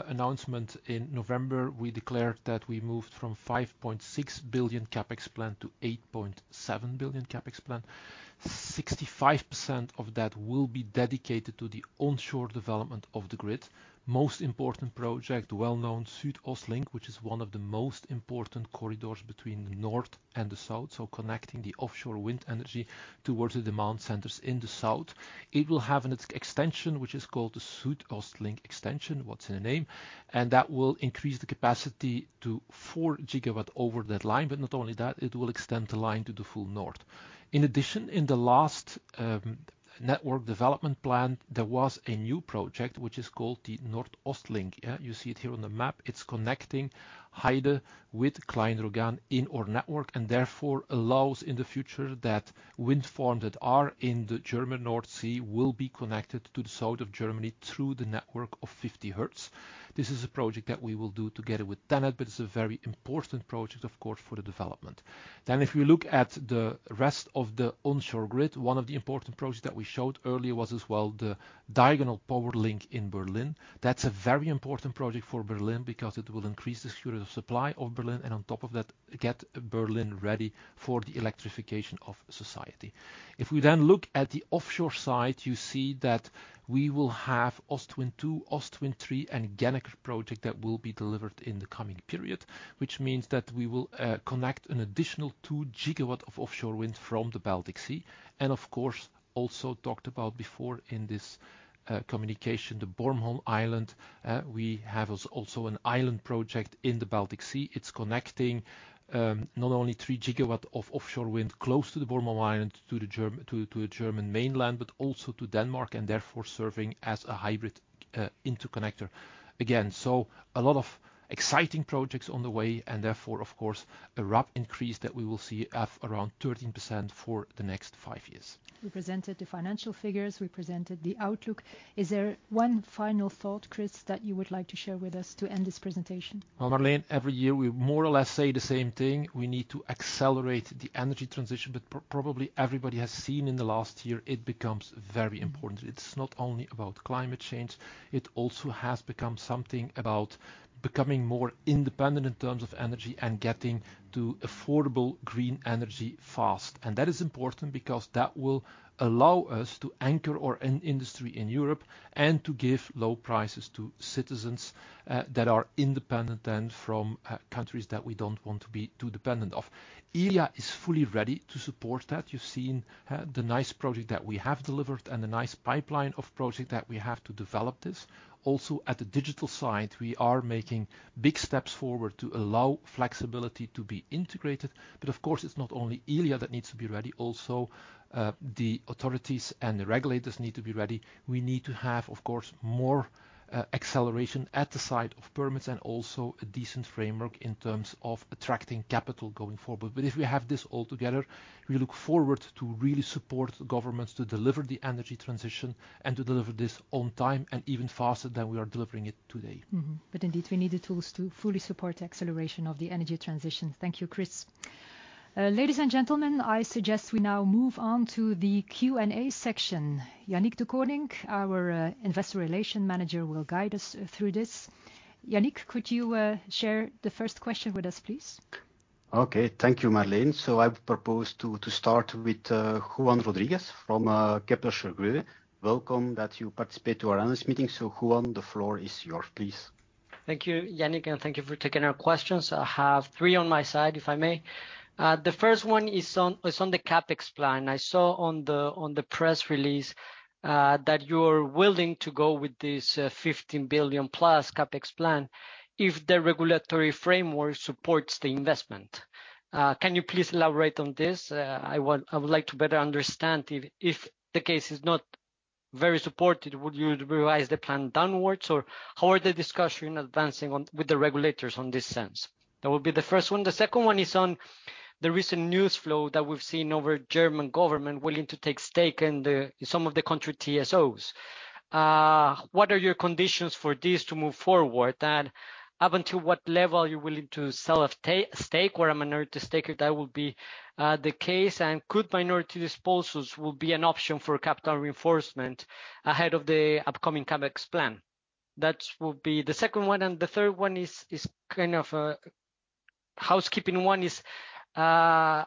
announcement in November, we declared that we moved from 5.6 billion CapEx plan to 8.7 billion CapEx plan. 65% of that will be dedicated to the onshore development of the grid. Most important project, well-known SüdOstLink, which is one of the most important corridors between the north and the south, so connecting the offshore wind energy towards the demand centers in the south. It will have an extension, which is called the SüdOstLink extension, what's in a name, and that will increase the capacity to 4 GW over that line. Not only that, it will extend the line to the full north. In addition, in the last network development plan, there was a new project, which is called the NordOstLink. You see it here on the map. It's connecting Heide with Klein Rogahn in our network, and therefore allows in the future that wind farms that are in the German North Sea will be connected to the south of Germany through the network of 50Hertz. This is a project that we will do together with TenneT, but it's a very important project, of course, for the development. If you look at the rest of the onshore grid, one of the important projects that we showed earlier was as well the Berlin diagonal power link. That's a very important project for Berlin because it will increase the security of supply of Berlin, and on top of that, get Berlin ready for the electrification of society. We then look at the offshore side, you see that we will have Ostwind 2, Ostwind 3, and Gennaker project that will be delivered in the coming period, which means that we will connect an additional 2 GW of offshore wind from the Baltic Sea. Of course, also talked about before in this communication, the Bornholm Island. We have also an island project in the Baltic Sea. It's connecting not only 3 GW of offshore wind close to the Bornholm Island to the German mainland, but also to Denmark, and therefore serving as a hybrid interconnector. A lot of exciting projects on the way and therefore, of course, a RAB increase that we will see around 13% for the next five years. We presented the financial figures, we presented the outlook. Is there one final thought, Chris, that you would like to share with us to end this presentation? Well, Marleen, every year we more or less say the same thing. We need to accelerate the energy transition, but probably everybody has seen in the last year it becomes very important. It's not only about climate change, it also has become something about becoming more independent in terms of energy and getting to affordable green energy fast. That is important because that will allow us to anchor our industry in Europe and to give low prices to citizens that are independent then from countries that we don't want to be too dependent of. Elia is fully ready to support that. You've seen the nice project that we have delivered and the nice pipeline of project that we have to develop this. Also at the digital side, we are making big steps forward to allow flexibility to be integrated. Of course, it's not only Elia that needs to be ready, also, the authorities and the regulators need to be ready. We need to have, of course, more, acceleration at the site of permits and also a decent framework in terms of attracting capital going forward. If we have this all together, we look forward to really support governments to deliver the energy transition and to deliver this on time and even faster than we are delivering it today. Indeed, we need the tools to fully support the acceleration of the energy transition. Thank you, Chris. Ladies and gentlemen, I suggest we now move on to the Q&A section. Yannick Dekoninck, our Investor Relations Manager, will guide us through this. Yannick, could you share the first question with us, please? Okay. Thank you, Marleen. I propose to start with Juan Rodriguez from Kepler Cheuvreux. Welcome that you participate to our analyst meeting. Juan, the floor is yours, please. Thank you, Yannick. Thank you for taking our questions. I have three on my side, if I may. The first one is on the CapEx plan. I saw on the press release that you're willing to go with this 15 billion+ CapEx plan if the regulatory framework supports the investment. Can you please elaborate on this? I would like to better understand if the case is not very supported, would you revise the plan downwards, or how are the discussion advancing on with the regulators on this sense? That would be the first one. The second one is on the recent news flow that we've seen over German government willing to take stake in some of the country TSOs. What are your conditions for this to move forward, up until what level you're willing to sell a stake or a minority stake, if that would be the case? Could minority disposals will be an option for capital reinforcement ahead of the upcoming CapEx plan? That would be the second one. The third one is kind of a housekeeping one, is, are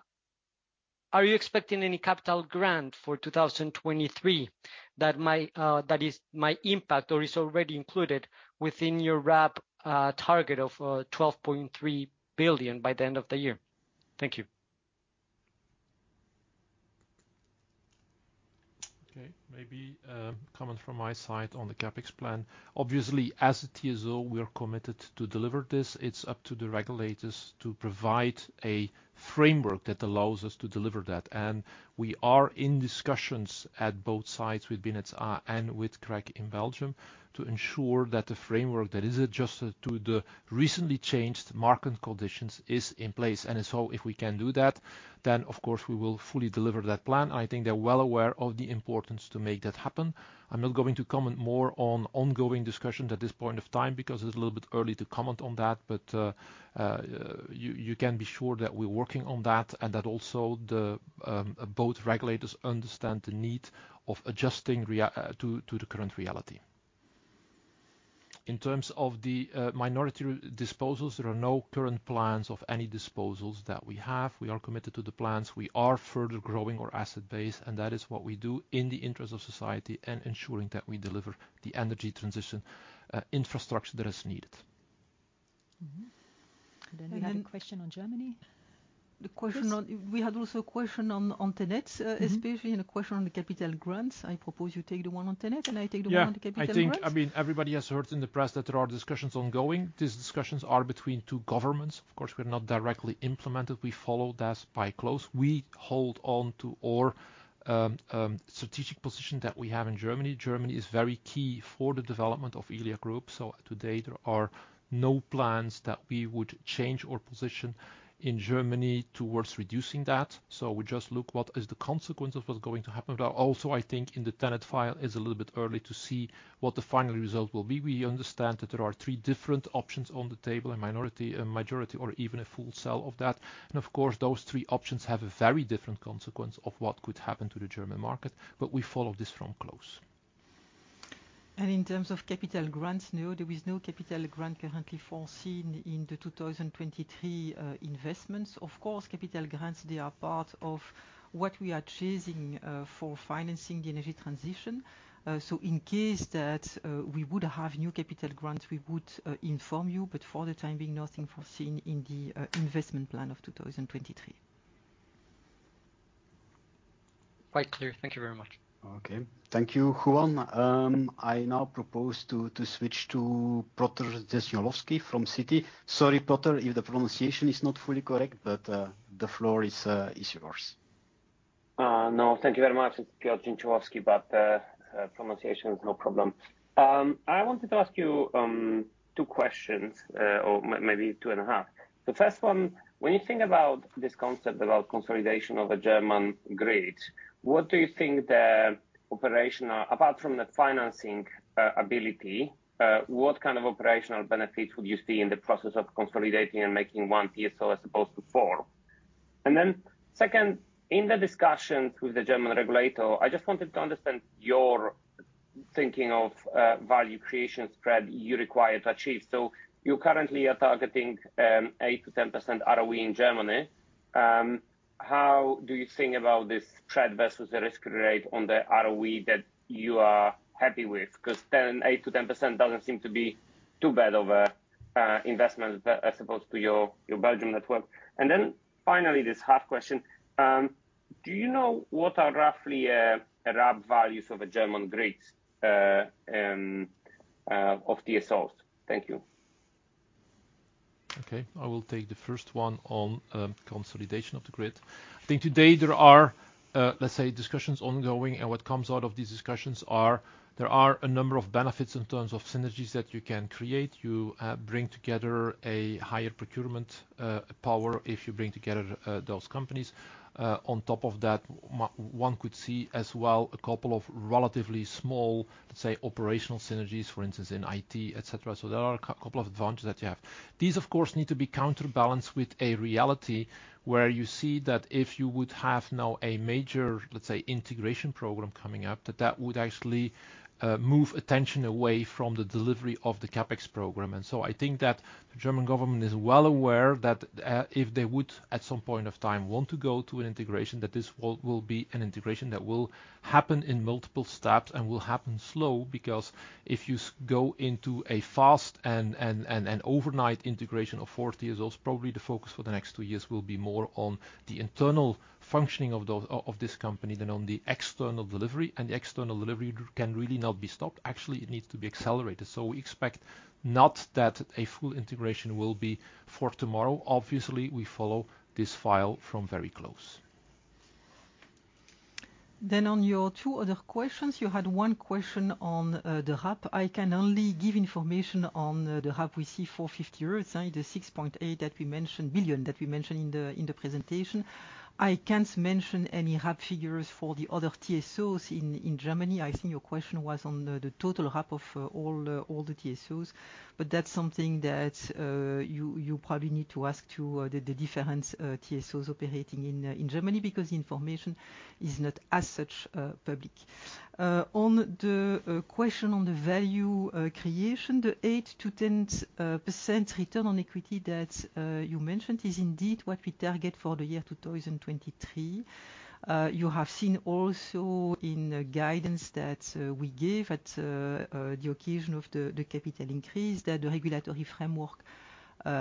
you expecting any capital grant for 2023 that might impact or is already included within your RAB target of 12.3 billion by the end of the year? Thank you. Maybe, comment from my side on the CapEx plan. Obviously, as a TSO, we are committed to deliver this. It's up to the regulators to provide a framework that allows us to deliver that. We are in discussions at both sides.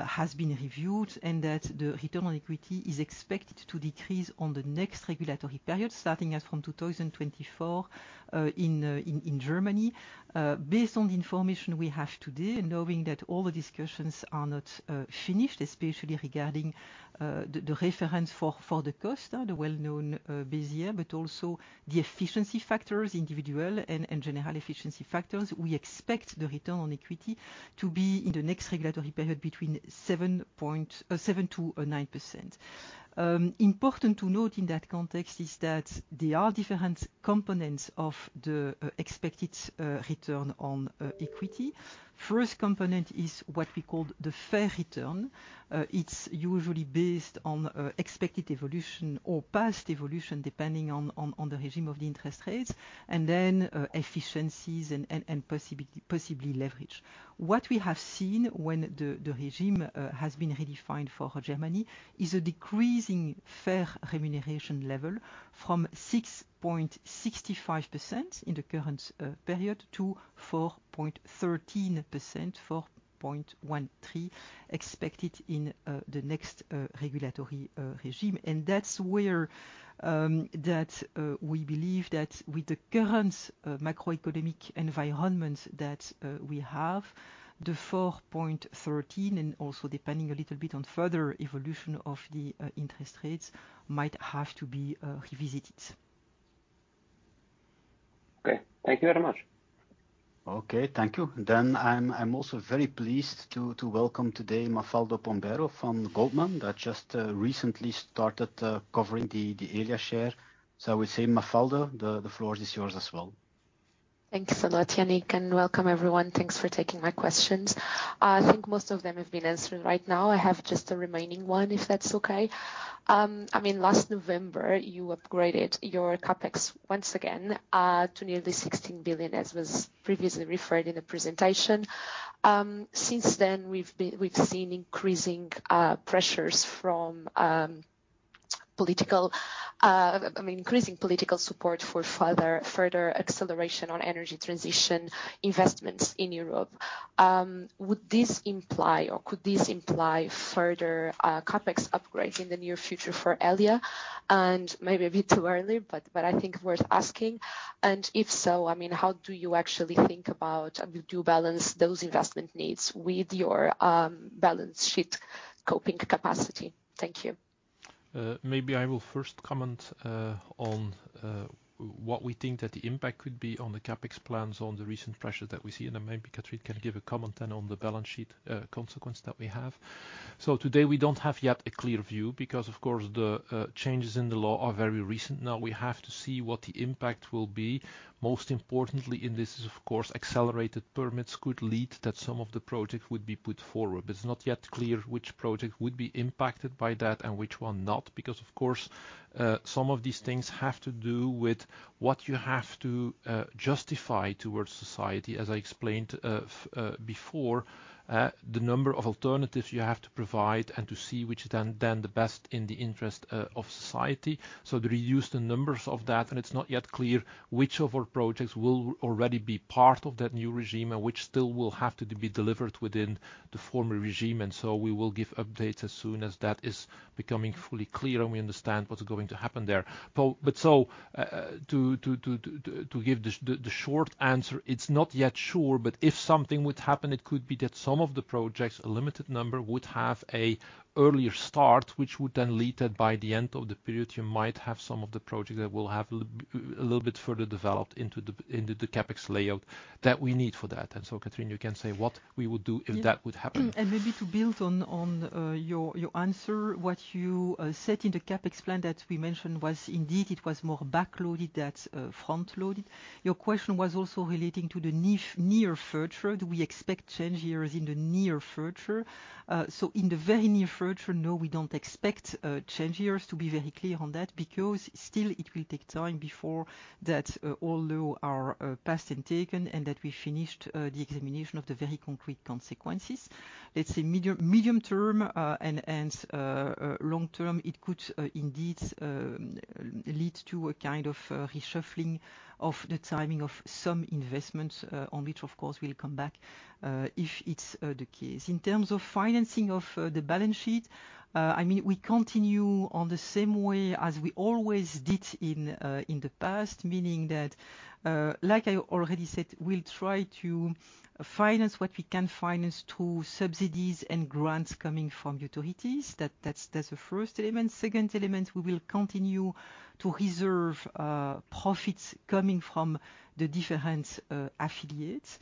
Has been reviewed, and that the return on equity is expected to decrease on the next regulatory period, starting as from 2024, in Germany. Based on the information we have today, knowing that all the discussions are not finished, especially regarding the reference for the cost, the well-known beta, but also the efficiency factors, individual and general efficiency factors. We expect the return on equity to be in the next regulatory period between 7% to 9%. Important to note in that context is that there are different components of the expected return on equity. First component is what we call the fair return. It's usually based on expected evolution or past evolution depending on the regime of the interest rates, and then efficiencies and possibly leverage. What we have seen when the regime has been redefined for Germany is a decreasing fair remuneration level from 6.65% in the current period to 4.13%, 4.13 expected in the next regulatory regime. That's where that we believe that with the current macroeconomic environment that we have, the 4.13%, and also depending a little bit on further evolution of the interest rates, might have to be revisited. Okay, thank you very much. Okay, thank you. I'm also very pleased to welcome today Mafalda Pombeiro from Goldman, that just recently started covering the Elia share. I would say, Mafalda, the floor is yours as well. Thanks a lot, Yannick. Welcome everyone. Thanks for taking my questions. I think most of them have been answered right now. I have just a remaining one if that's okay. I mean, last November, you upgraded your CapEx once again to nearly 16 billion, as was previously referred in the presentation. Since then, we've seen increasing pressures from political. I mean, increasing political support for further acceleration on energy transition investments in Europe. Would this imply or could this imply further CapEx upgrade in the near future for Elia? Maybe a bit too early, but I think worth asking. If so, I mean, how do you actually balance those investment needs with your balance sheet coping capacity? Thank you. Maybe I will first comment on what we think that the impact could be on the CapEx plans on the recent pressure that we see, and then maybe Catherine can give a comment then on the balance sheet consequence that we have. Today, we don't have yet a clear view because, of course, the changes in the law are very recent. Now, we have to see what the impact will be. Most importantly in this is, of course, accelerated permits could lead that some of the projects would be put forward. It's not yet clear which project would be impacted by that and which one not, because of course, some of these things have to do with what you have to justify towards society, as I explained before. The number of alternatives you have to provide and to see which then the best in the interest of society. The reduced numbers of that, and it's not yet clear which of our projects will already be part of that new regime and which still will have to be delivered within the former regime. We will give updates as soon as that is becoming fully clear and we understand what's going to happen there. To give the short answer, it's not yet sure. If something would happen, it could be that some of the projects, a limited number, would have a earlier start, which would then lead that by the end of the period, you might have some of the projects that will have a little bit further developed into the, into the CapEx layout that we need for that. Catherine, you can say what we would do if that would happen. Yeah. Maybe to build on your answer. What you said in the CapEx plan that we mentioned was indeed it was more backloaded that front-loaded. Your question was also relating to the near future. Do we expect change years in the near future? In the very near future, no, we don't expect change years, to be very clear on that. Because still it will take time before that all law are passed and taken and that we finished the examination of the very concrete consequences. Let's say medium term, and long term, it could indeed lead to a kind of reshuffling of the timing of some investments, on which of course we'll come back, if it's the case. In terms of financing of the balance sheet, I mean, we continue on the same way as we always did in the past. Meaning that, like I already said, we'll try to finance what we can finance through subsidies and grants coming from utilities. That's the first element. Second element, we will continue to reserve profits coming from the different affiliates.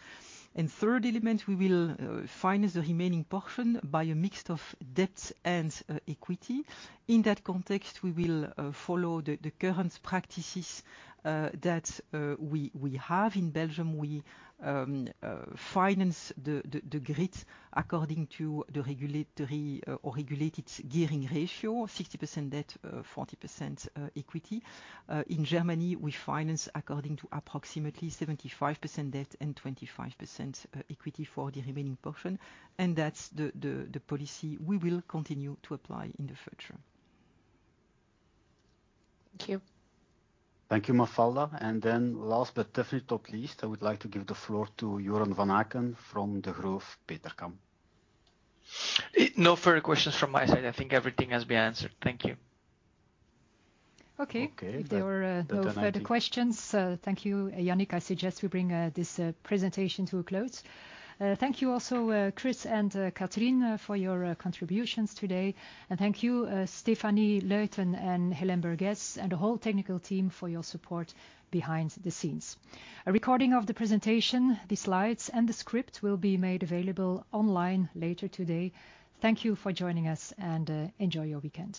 Third element, we will finance the remaining portion by a mix of debt and equity. In that context, we will follow the current practices that we have. In Belgium, we finance the grid according to the regulatory or regulated gearing ratio, 60% debt, 40% equity. In Germany, we finance according to approximately 75% debt and 25% equity for the remaining portion. That's the policy we will continue to apply in the future. Thank you. Thank you, Mafalda. Last but definitely not least, I would like to give the floor to Joren Van Aken from Degroof Petercam. No further questions from my side. I think everything has been answered. Thank you. Okay. Okay. If there are no further questions, thank you, Yannick. I suggest we bring this presentation to a close. Thank you also, Chris and Catherine, for your contributions today. Thank you, Stephanie Luyten, and Helen Burgese, and the whole technical team for your support behind the scenes. A recording of the presentation, the slides, and the script will be made available online later today. Thank you for joining us and enjoy your weekend.